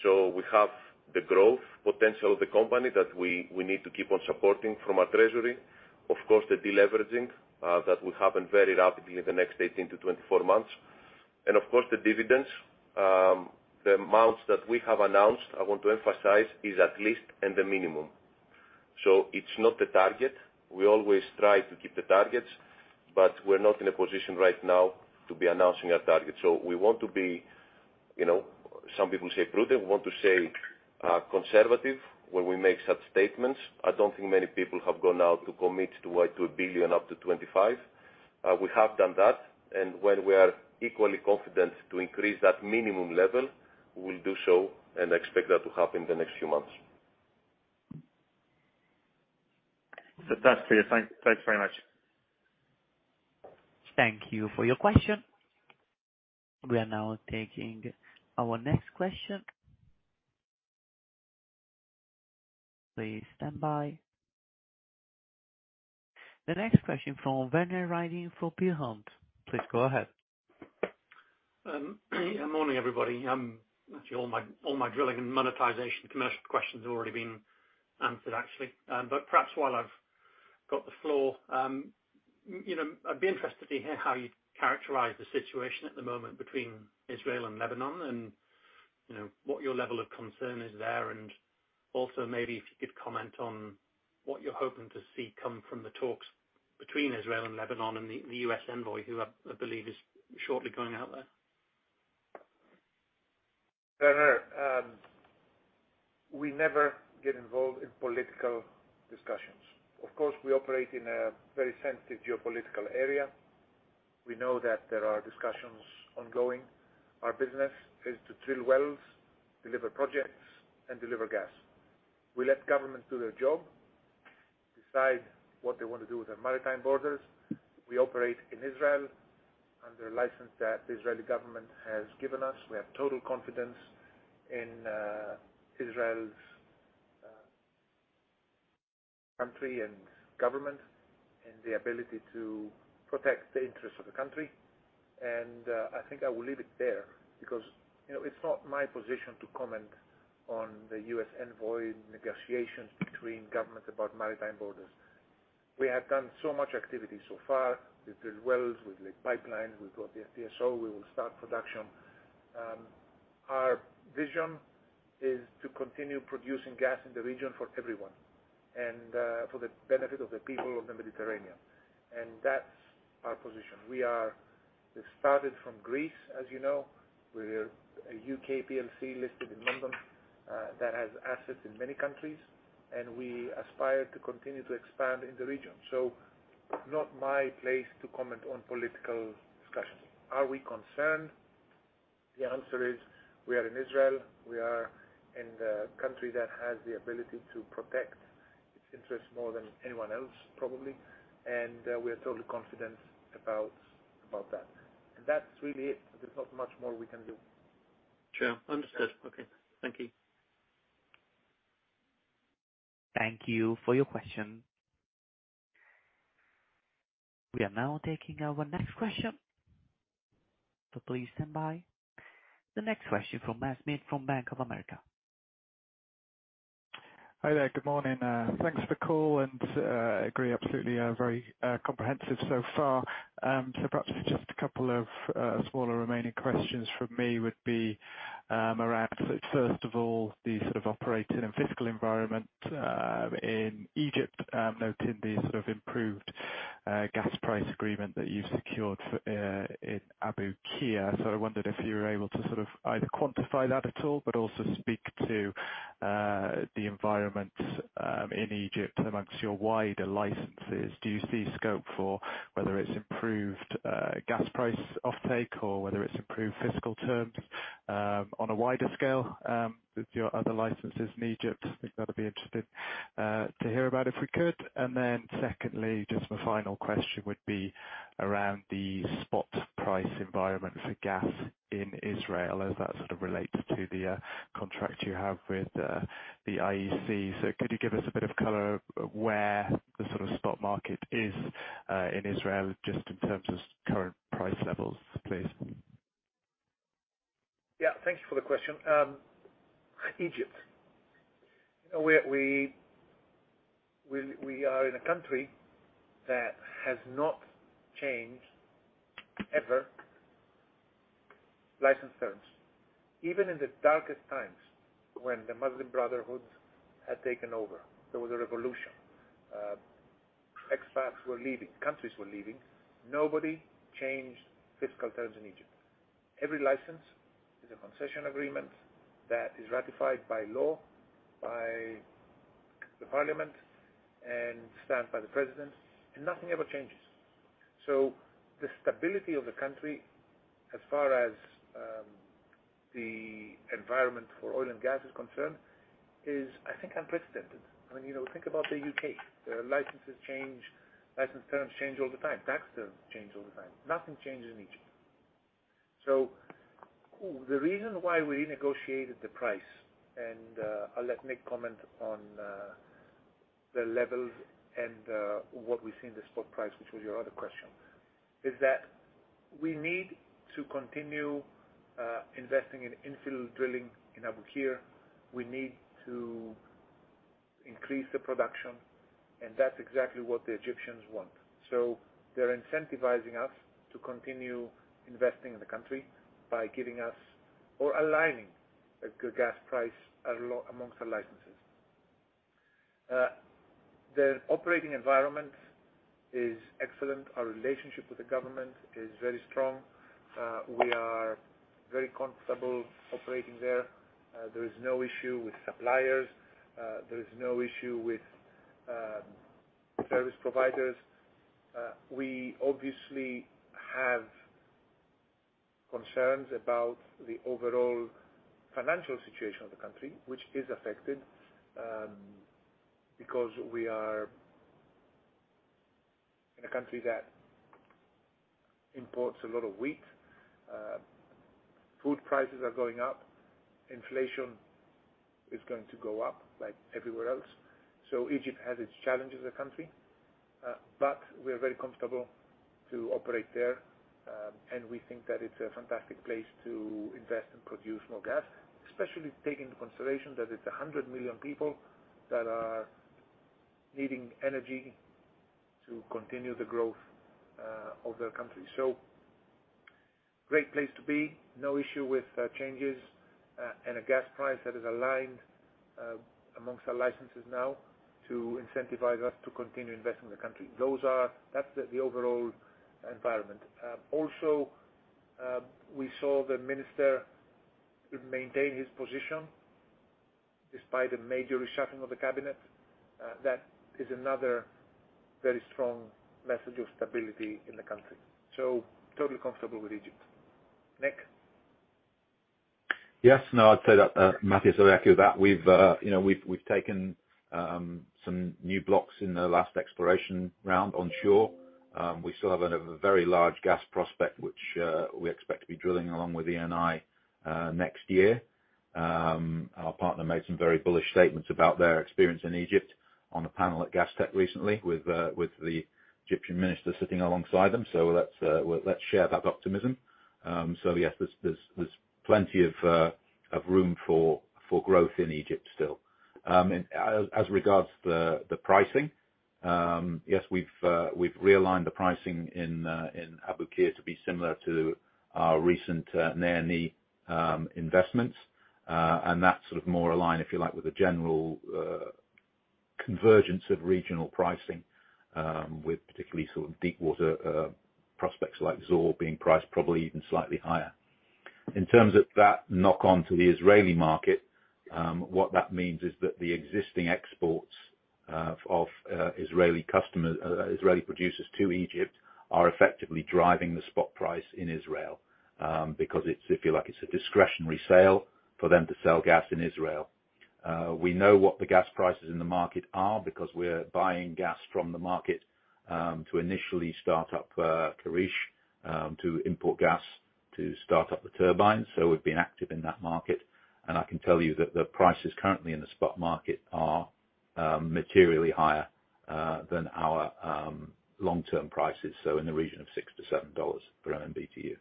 We have the growth potential of the company that we need to keep on supporting from our treasury. Of course, the deleveraging that will happen very rapidly in the next 18-24 months. Of course, the dividends, the amounts that we have announced, I want to emphasize, is at least and the minimum. It's not a target. We always try to keep the targets, but we're not in a position right now to be announcing a target. We want to be, you know, some people say prudent, we want to say conservative when we make such statements. I don't think many people have gone out to commit to a billion up to 25. We have done that. When we are equally confident to increase that minimum level, we will do so and expect that to happen in the next few months. Fantastic. Thanks very much. Thank you for your question. We are now taking our next question. Please stand by. The next question from Werner Riding for Peel Hunt. Please go ahead. Morning, everybody. Actually all my drilling and monetization commercial questions have already been answered, actually. Perhaps while I've got the floor, you know, I'd be interested to hear how you'd characterize the situation at the moment between Israel and Lebanon, and, you know, what your level of concern is there, and also maybe if you could comment on what you're hoping to see come from the talks between Israel and Lebanon and the U.S. envoy, who I believe is shortly going out there. Sure, sure. We never get involved in political discussions. Of course, we operate in a very sensitive geopolitical area. We know that there are discussions ongoing. Our business is to drill wells, deliver projects, and deliver gas. We let governments do their job, decide what they want to do with their maritime borders. We operate in Israel under a license that the Israeli government has given us. We have total confidence in Israel's country and government and the ability to protect the interests of the country. I think I will leave it there because, you know, it's not my position to comment on the U.S. envoy negotiations between governments about maritime borders. We have done so much activity so far. We've drilled wells, we've laid pipelines, we've got the FPSO, we will start production. Our vision is to continue producing gas in the region for everyone and, for the benefit of the people of the Mediterranean. That's our position. We started from Greece, as you know. We're a UK PLC listed in London, that has assets in many countries, and we aspire to continue to expand in the region. Not my place to comment on political discussions. Are we concerned? The answer is we are in Israel. We are in a country that has the ability to protect its interests more than anyone else, probably. We are totally confident about that. That's really it. There's not much more we can do. Sure. Understood. Okay. Thank you. Thank you for your question. We are now taking our next question, so please stand by. The next question from Matthew Smith from Bank of America. Hi there. Good morning. Thanks for the call, and agree, absolutely, very comprehensive so far. Perhaps just a couple of smaller remaining questions from me would be around, first of all, the sort of operating and fiscal environment in Egypt, noting the sort of improved gas price agreement that you've secured in Abu Qir. I wondered if you were able to sort of either quantify that at all, but also speak to the environment in Egypt amongst your wider licenses. Do you see scope for whether it's improved gas price offtake or whether it's improved fiscal terms on a wider scale with your other licenses in Egypt? I think that'd be interesting to hear about if we could. Just my final question would be around the spot price environment for gas in Israel as that sort of relates to the contract you have with the IEC. Could you give us a bit of color where the sort of spot market is in Israel just in terms of current price levels, please? Yeah, thank you for the question. Egypt. We are in a country that has not changed, ever, license terms. Even in the darkest times when the Muslim Brotherhood had taken over, there was a revolution. Expats were leaving. Countries were leaving. Nobody changed fiscal terms in Egypt. Every license is a concession agreement that is ratified by law, by the parliament, and stamped by the president, and nothing ever changes. The stability of the country as far as, the environment for oil and gas is concerned is, I think, unprecedented. I mean, you know, think about the U.K. Their licenses change, license terms change all the time. Tax terms change all the time. Nothing changes in Egypt. The reason why we renegotiated the price, and, I'll let Nick comment on, the levels and, what we see in the spot price, which was your other question, is that we need to continue investing in infill drilling in Abu Qir. We need to increase the production, and that's exactly what the Egyptians want. They're incentivizing us to continue investing in the country by giving us or aligning a good gas price amongst our licenses. The operating environment is excellent. Our relationship with the government is very strong. We are very comfortable operating there. There is no issue with suppliers. There is no issue with service providers. We obviously have concerns about the overall financial situation of the country, which is affected, because we are in a country that imports a lot of wheat. Food prices are going up. Inflation. Is going to go up like everywhere else. Egypt has its challenges as a country, but we're very comfortable to operate there, and we think that it's a fantastic place to invest and produce more gas, especially taking into consideration that it's 100 million people that are needing energy to continue the growth of their country. Great place to be. No issue with changes, and a gas price that is aligned among our licenses now to incentivize us to continue investing in the country. That's the overall environment. Also, we saw the minister maintain his position despite a major reshuffling of the cabinet. That is another very strong message of stability in the country. Totally comfortable with Egypt. Nick? Yes. No, I'd say that, Mathios Rigas is already aware of that. We've, you know, taken some new blocks in the last exploration round onshore. We still have a very large gas prospect, which we expect to be drilling along with Eni next year. Our partner made some very bullish statements about their experience in Egypt on a panel at Gastech recently with the Egyptian minister sitting alongside them. Let's share that optimism. Yes, there's plenty of room for growth in Egypt still. As regards to the pricing, yes, we've realigned the pricing in Abu Qir to be similar to our recent NEA/NI investments. That's sort of more aligned, if you like, with the general convergence of regional pricing, with particularly sort of deep water prospects like Zohr being priced probably even slightly higher. In terms of that knock on to the Israeli market, what that means is that the existing exports of Israeli customers, Israeli producers to Egypt are effectively driving the spot price in Israel, because it's, if you like, it's a discretionary sale for them to sell gas in Israel. We know what the gas prices in the market are because we're buying gas from the market to initially start up Karish to import gas to start up the turbines. We've been active in that market, and I can tell you that the prices currently in the spot market are materially higher than our long-term prices, so in the region of $6-$7 per MMBtu.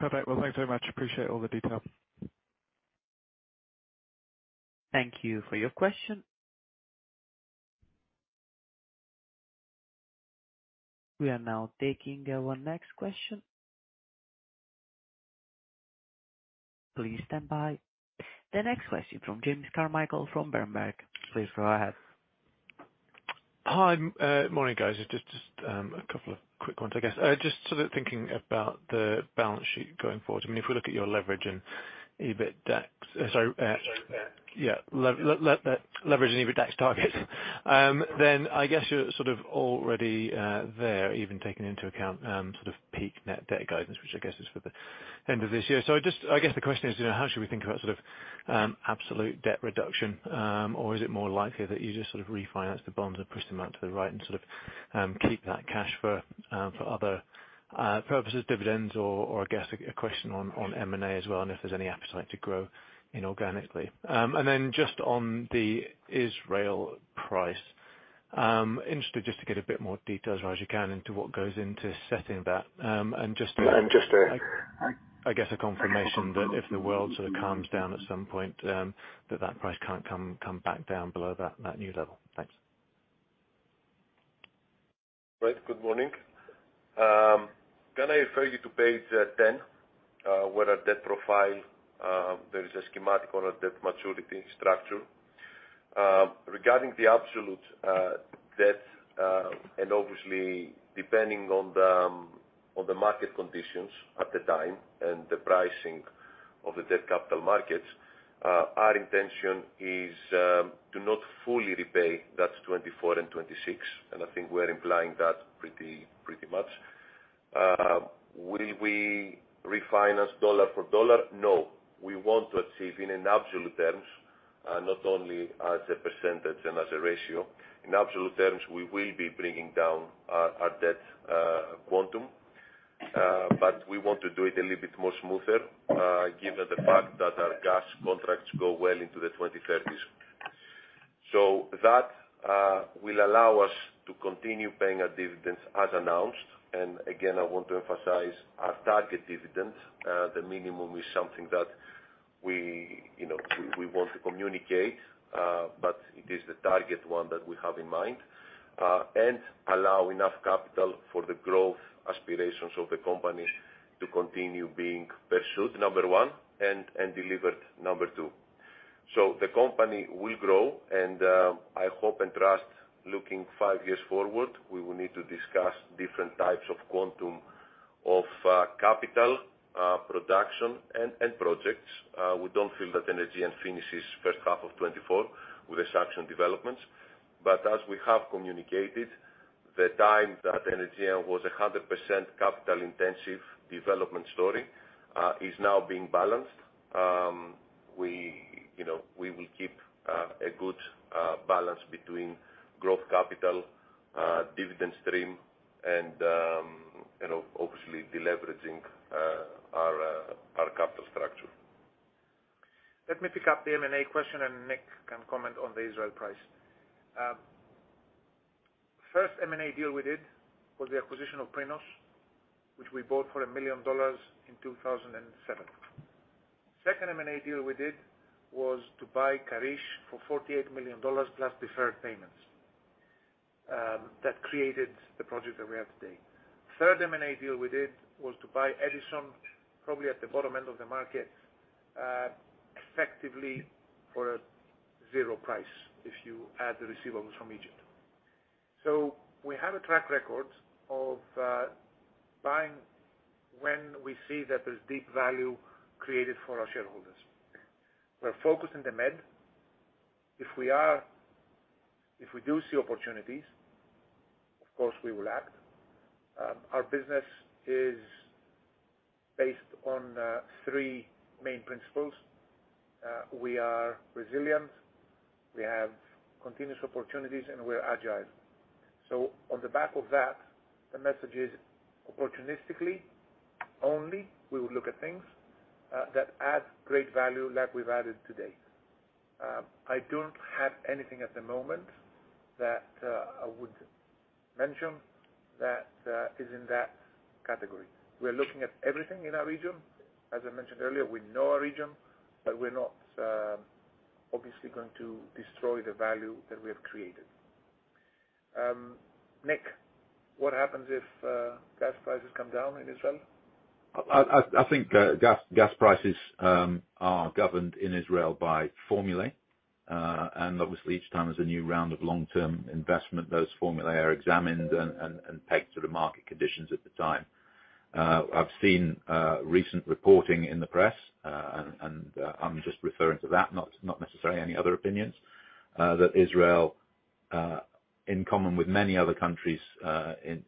Perfect. Well, thanks so much. Appreciate all the detail. Thank you for your question. We are now taking our next question. Please stand by. The next question from James Carmichael from Berenberg. Please go ahead. Hi. Morning, guys. Just a couple of quick ones, I guess. Just sort of thinking about the balance sheet going forward. I mean, if we look at your leverage and EBITDAX targets, then I guess you're sort of already there, even taking into account sort of peak net debt guidance, which I guess is for the end of this year. Just I guess the question is, you know, how should we think about sort of absolute debt reduction? Or is it more likely that you just sort of refinance the bonds and push them out to the right and sort of keep that cash for other purposes, dividends or I guess a question on M&A as well, and if there's any appetite to grow inorganically? Just on the Israel price, interested just to get a bit more detail as far as you can into what goes into setting that. Just a confirmation that if the world sort of calms down at some point, that price can't come back down below that new level. Thanks. Right. Good morning. Can I refer you to page 10, where our debt profile, there is a schematic on our debt maturity structure. Regarding the absolute debt, and obviously depending on the market conditions at the time and the pricing of the debt capital markets, our intention is to not fully repay that 2024 and 2026, and I think we're implying that pretty much. Will we refinance dollar for dollar? No, we want to achieve in absolute terms, not only as a percentage and as a ratio, in absolute terms, we will be bringing down our debt quantum. We want to do it a little bit more smoother, given the fact that our gas contracts go well into the 2030s. That will allow us to continue paying our dividends as announced. Again, I want to emphasize our target dividend. The minimum is something that we, you know, want to communicate, but it is the target one that we have in mind, and allow enough capital for the growth aspirations of the company to continue being pursued, number one, and delivered, number two. The company will grow and I hope and trust looking five years forward, we will need to discuss different types of quantum of capital, production and projects. We don't feel that Energean finishes first half of 2024 with the sanctioned developments. As we have communicated, the time that Energean was 100% capital intensive development story is now being balanced. You know, we will keep a good balance between growth capital, dividend stream, and, you know, obviously deleveraging our capital structure. Let me pick up the M&A question, and Nick can comment on the Israel price. First M&A deal we did was the acquisition of Prinos, which we bought for $1 million in 2007. Second M&A deal we did was to buy Karish for $48 million plus deferred payments. That created the project that we have today. Third M&A deal we did was to buy Edison, probably at the bottom end of the market, effectively for a $0 price if you add the receivables from Egypt. We have a track record of buying when we see that there's deep value created for our shareholders. We're focused in the Med. If we do see opportunities, of course we will act. Our business is based on three main principles. We are resilient, we have continuous opportunities, and we're agile. On the back of that, the message is opportunistically only we will look at things that add great value like we've added today. I don't have anything at the moment that I would mention that is in that category. We're looking at everything in our region. As I mentioned earlier, we know our region, but we're not obviously going to destroy the value that we have created. Nick, what happens if gas prices come down in Israel? I think gas prices are governed in Israel by formulae. Obviously each time there's a new round of long-term investment, those formulae are examined and pegged to the market conditions at the time. I've seen recent reporting in the press, and I'm just referring to that, not necessarily any other opinions, that Israel in common with many other countries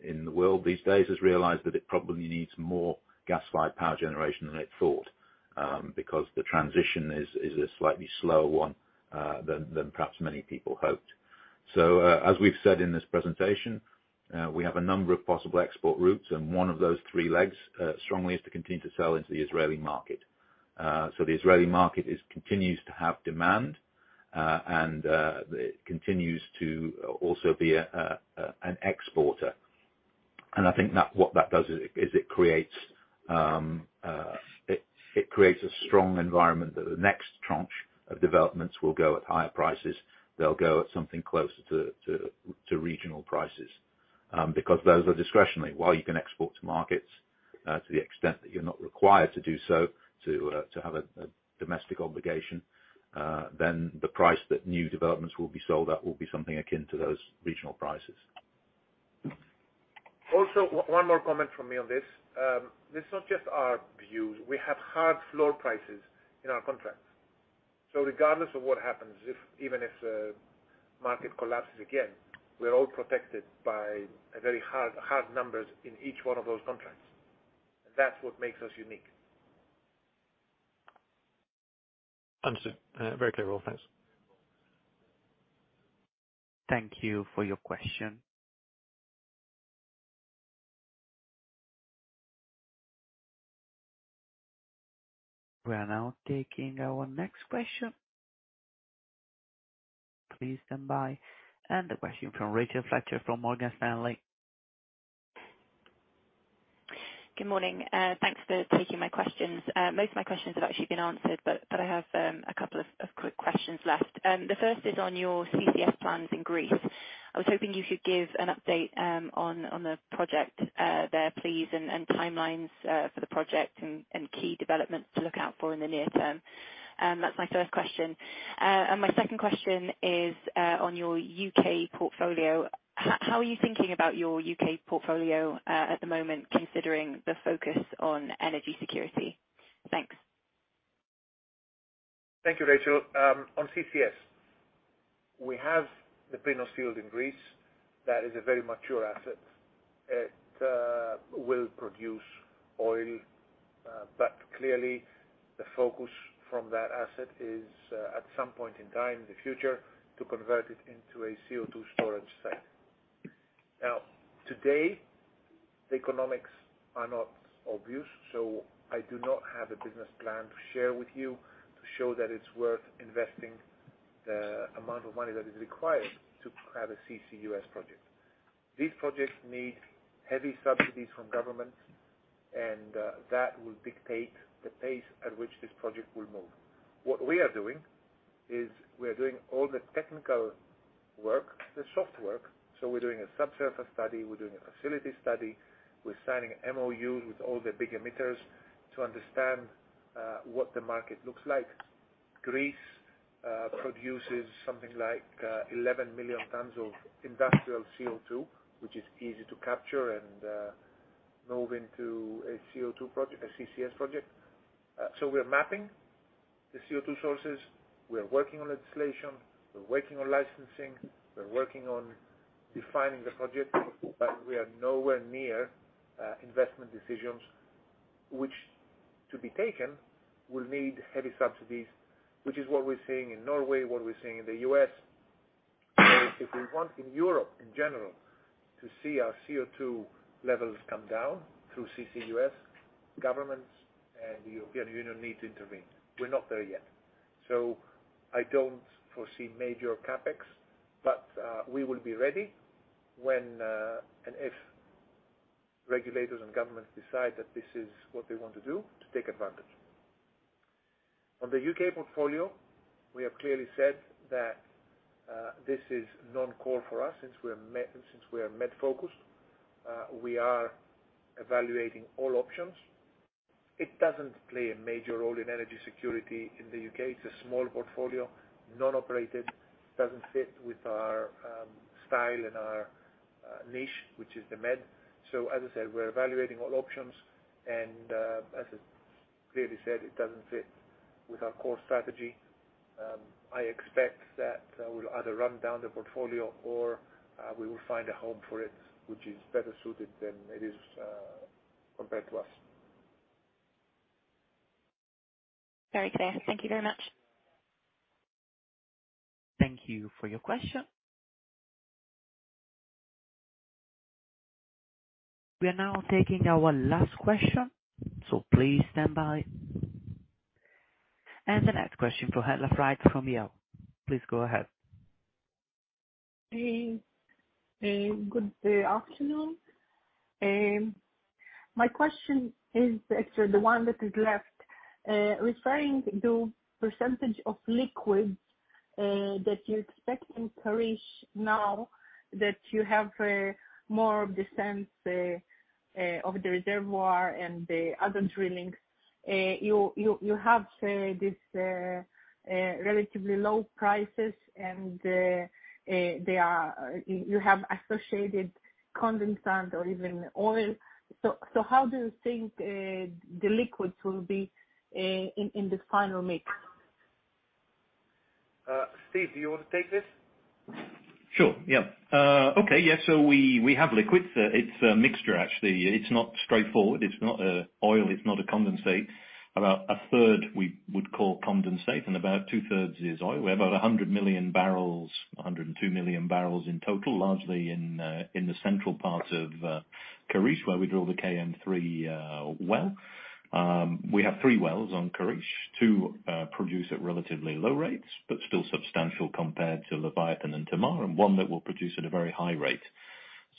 in the world these days has realized that it probably needs more gas-fired power generation than it thought, because the transition is a slightly slower one, than perhaps many people hoped. As we've said in this presentation, we have a number of possible export routes, and one of those three legs strongly is to continue to sell into the Israeli market. The Israeli market continues to have demand and continues to also be an exporter. I think that what that does is it creates a strong environment that the next tranche of developments will go at higher prices. They'll go at something closer to regional prices because those are discretionary. While you can export to markets, to the extent that you're not required to do so to have a domestic obligation, then the price that new developments will be sold at will be something akin to those regional prices. Also, one more comment from me on this. This is not just our view. We have hard floor prices in our contracts. Regardless of what happens, even if the market collapses again, we're all protected by very hard numbers in each one of those contracts. That's what makes us unique. Understood. Very clear. Well, thanks. Thank you for your question. We are now taking our next question. Please stand by. The question from Rachel Fletcher from Morgan Stanley. Good morning. Thanks for taking my questions. Most of my questions have actually been answered, but I have a couple of quick questions left. The first is on your CCS plans in Greece. I was hoping you could give an update on the project there, please, and timelines for the project and key development to look out for in the near term. That's my first question. And my second question is on your UK portfolio. How are you thinking about your UK portfolio at the moment, considering the focus on energy security? Thanks. Thank you, Rachel. On CCS, we have the Prinos field in Greece that is a very mature asset. It will produce oil, but clearly the focus from that asset is at some point in time in the future to convert it into a CO2 storage site. Now, today, the economics are not obvious, so I do not have a business plan to share with you to show that it's worth investing the amount of money that is required to have a CCUS project. These projects need heavy subsidies from governments, and that will dictate the pace at which this project will move. What we are doing is we are doing all the technical work, the soft work. So we're doing a subsurface study, we're doing a facility study. We're signing MOUs with all the big emitters to understand what the market looks like. Greece produces something like 11 million tons of industrial CO2, which is easy to capture and move into a CO2 project, a CCS project. We're mapping the CO2 sources. We are working on legislation. We're working on licensing. We're working on defining the project, but we are nowhere near investment decisions. Which, to be taken, will need heavy subsidies, which is what we're seeing in Norway, what we're seeing in the US. If we want in Europe in general to see our CO2 levels come down through CCUS, governments and the European Union need to intervene. We're not there yet. I don't foresee major CapEx, but we will be ready when and if regulators and governments decide that this is what they want to do to take advantage. On the UK portfolio, we have clearly said that this is non-core for us since we are Med-focused. We are evaluating all options. It doesn't play a major role in energy security in the UK. It's a small portfolio, non-operated, doesn't fit with our style and our niche, which is the Med. As I said, we're evaluating all options, and as I clearly said, it doesn't fit with our core strategy. I expect that we'll either run down the portfolio or we will find a home for it, which is better suited than it is compared to us. Very clear. Thank you very much. Thank you for your question. We are now taking our last question, so please stand by. The next question for HELLENiQ ENERGY from Yael. Please go ahead. Hey. Good afternoon. My question is actually the one that is left. Referring to percentage of liquids that you expect in Karish now that you have more of the sense of the reservoir and the other drillings. You have this relatively low prices and they are. You have associated condensate or even oil. How do you think the liquids will be in this final mix? Steve, do you want to take this? Sure, yeah. Okay, yes. We have liquids. It's a mixture actually. It's not straightforward. It's not oil, it's not a condensate. About a third we would call condensate, and about two-thirds is oil. We have about 100 million barrels, 102 million barrels in total, largely in the central parts of Karish, where we drill the KM3 well. We have three wells on Karish. Two produce at relatively low rates, but still substantial compared to Leviathan and Tamar. One that will produce at a very high rate.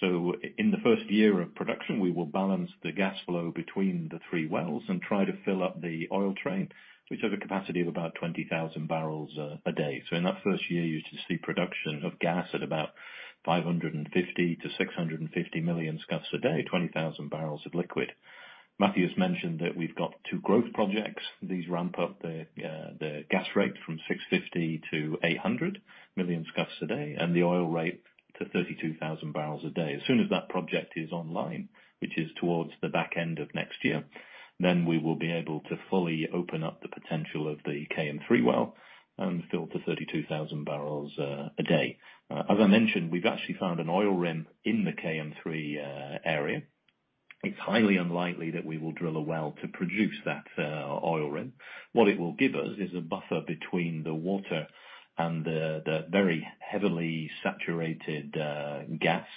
In the first year of production, we will balance the gas flow between the three wells and try to fill up the oil train, which has a capacity of about 20,000 barrels a day. In that first year, you should see production of gas at about 550-650 MMscf/d, 20,000 barrels of liquids. Matthew's mentioned that we've got two growth projects. These ramp up the gas rate from 650 to 800 MMscf/d, and the oil rate to 32,000 barrels a day. As soon as that project is online, which is towards the back end of next year, then we will be able to fully open up the potential of the KM3 well and fill to 32,000 barrels a day. As I mentioned, we've actually found an oil rim in the KM3 area. It's highly unlikely that we will drill a well to produce that oil rim. What it will give us is a buffer between the water and the very heavily saturated gas.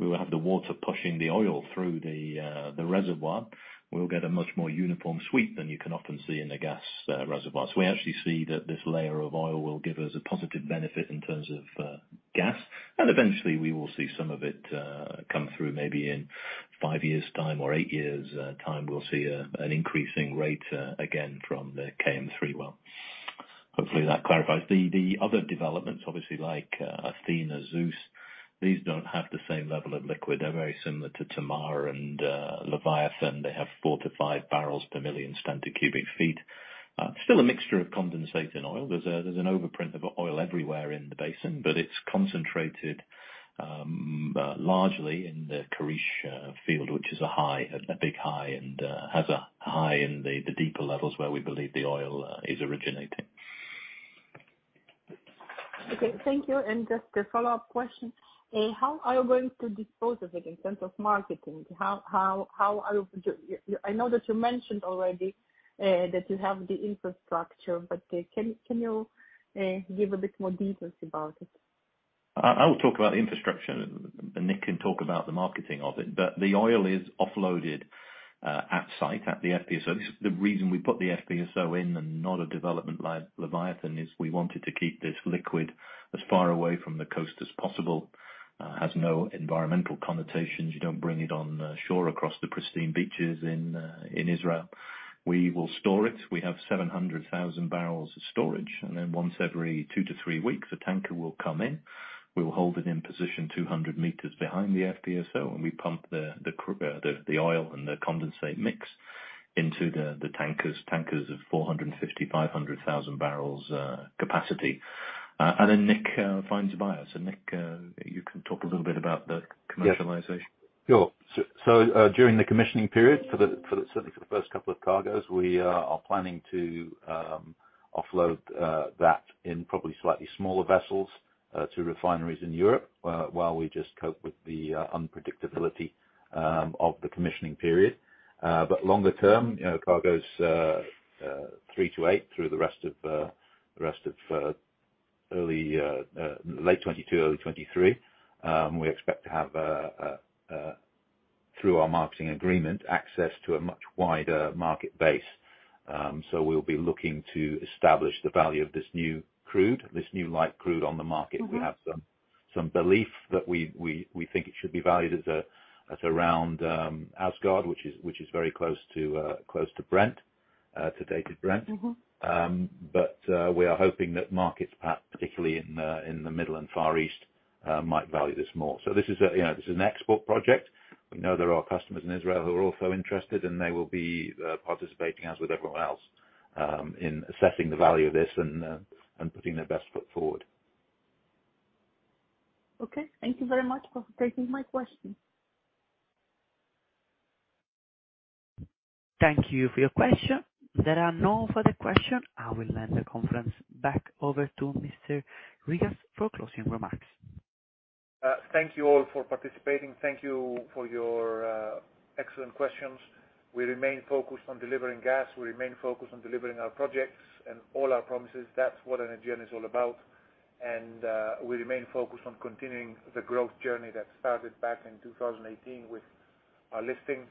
We will have the water pushing the oil through the reservoir. We'll get a much more uniform sweep than you can often see in the gas reservoir. We actually see that this layer of oil will give us a positive benefit in terms of gas. Eventually we will see some of it come through maybe in five years time or eight years time. We'll see an increasing rate again from the KM3 well. Hopefully that clarifies. The other developments, obviously like Athena, Zeus, these don't have the same level of liquid. They're very similar to Tamar and Leviathan. They have 4-5 barrels per million standard cubic feet. Still a mixture of condensate and oil. There's an overprint of oil everywhere in the basin, but it's concentrated largely in the Karish field, which is a big high and has a high in the deeper levels where we believe the oil is originating. Okay, thank you. Just a follow-up question. How are you going to dispose of it in terms of marketing? I know that you mentioned already that you have the infrastructure, but can you give a bit more details about it? I will talk about infrastructure and Nick can talk about the marketing of it. The oil is offloaded at site, at the FPSO. This is the reason we put the FPSO in and not a development like Leviathan, is we wanted to keep this liquid as far away from the coast as possible. Has no environmental connotations. You don't bring it on the shore across the pristine beaches in Israel. We will store it. We have 700,000 barrels of storage. Then once every 2-3 weeks, a tanker will come in. We will hold it in position 200 meters behind the FPSO, and we pump the oil and the condensate mix into the tankers. Tankers of 450,000-500,000 barrels capacity. Nick finds buyers. Nick, you can talk a little bit about the commercialization. Sure. During the commissioning period, certainly for the first couple of cargos, we are planning to offload that in probably slightly smaller vessels to refineries in Europe while we just cope with the unpredictability of the commissioning period. Longer term, you know, cargos 3-8 through the rest of late 2022, early 2023, we expect to have through our marketing agreement access to a much wider market base. We'll be looking to establish the value of this new crude, this new light crude on the market. Mm-hmm. We have some belief that we think it should be valued as around Asgard, which is very close to Brent, to dated Brent. Mm-hmm. We are hoping that markets, particularly in the Middle and Far East, might value this more. This is a, you know, this is an export project. We know there are customers in Israel who are also interested, and they will be participating, as with everyone else, in assessing the value of this and putting their best foot forward. Okay. Thank you very much for taking my question. Thank you for your question. There are no further questions. I will hand the conference back over to Mr. Rigas for closing remarks. Thank you all for participating. Thank you for your excellent questions. We remain focused on delivering gas. We remain focused on delivering our projects and all our promises. That's what Energean is all about. We remain focused on continuing the growth journey that started back in 2018 with our listing.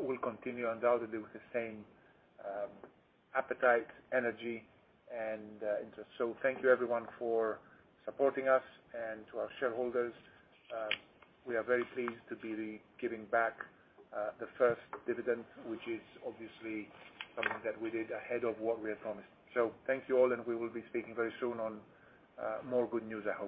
We'll continue undoubtedly with the same appetite, energy, and interest. Thank you everyone for supporting us. To our shareholders, we are very pleased to be giving back the first dividend, which is obviously something that we did ahead of what we had promised. Thank you all, and we will be speaking very soon on more good news, I hope.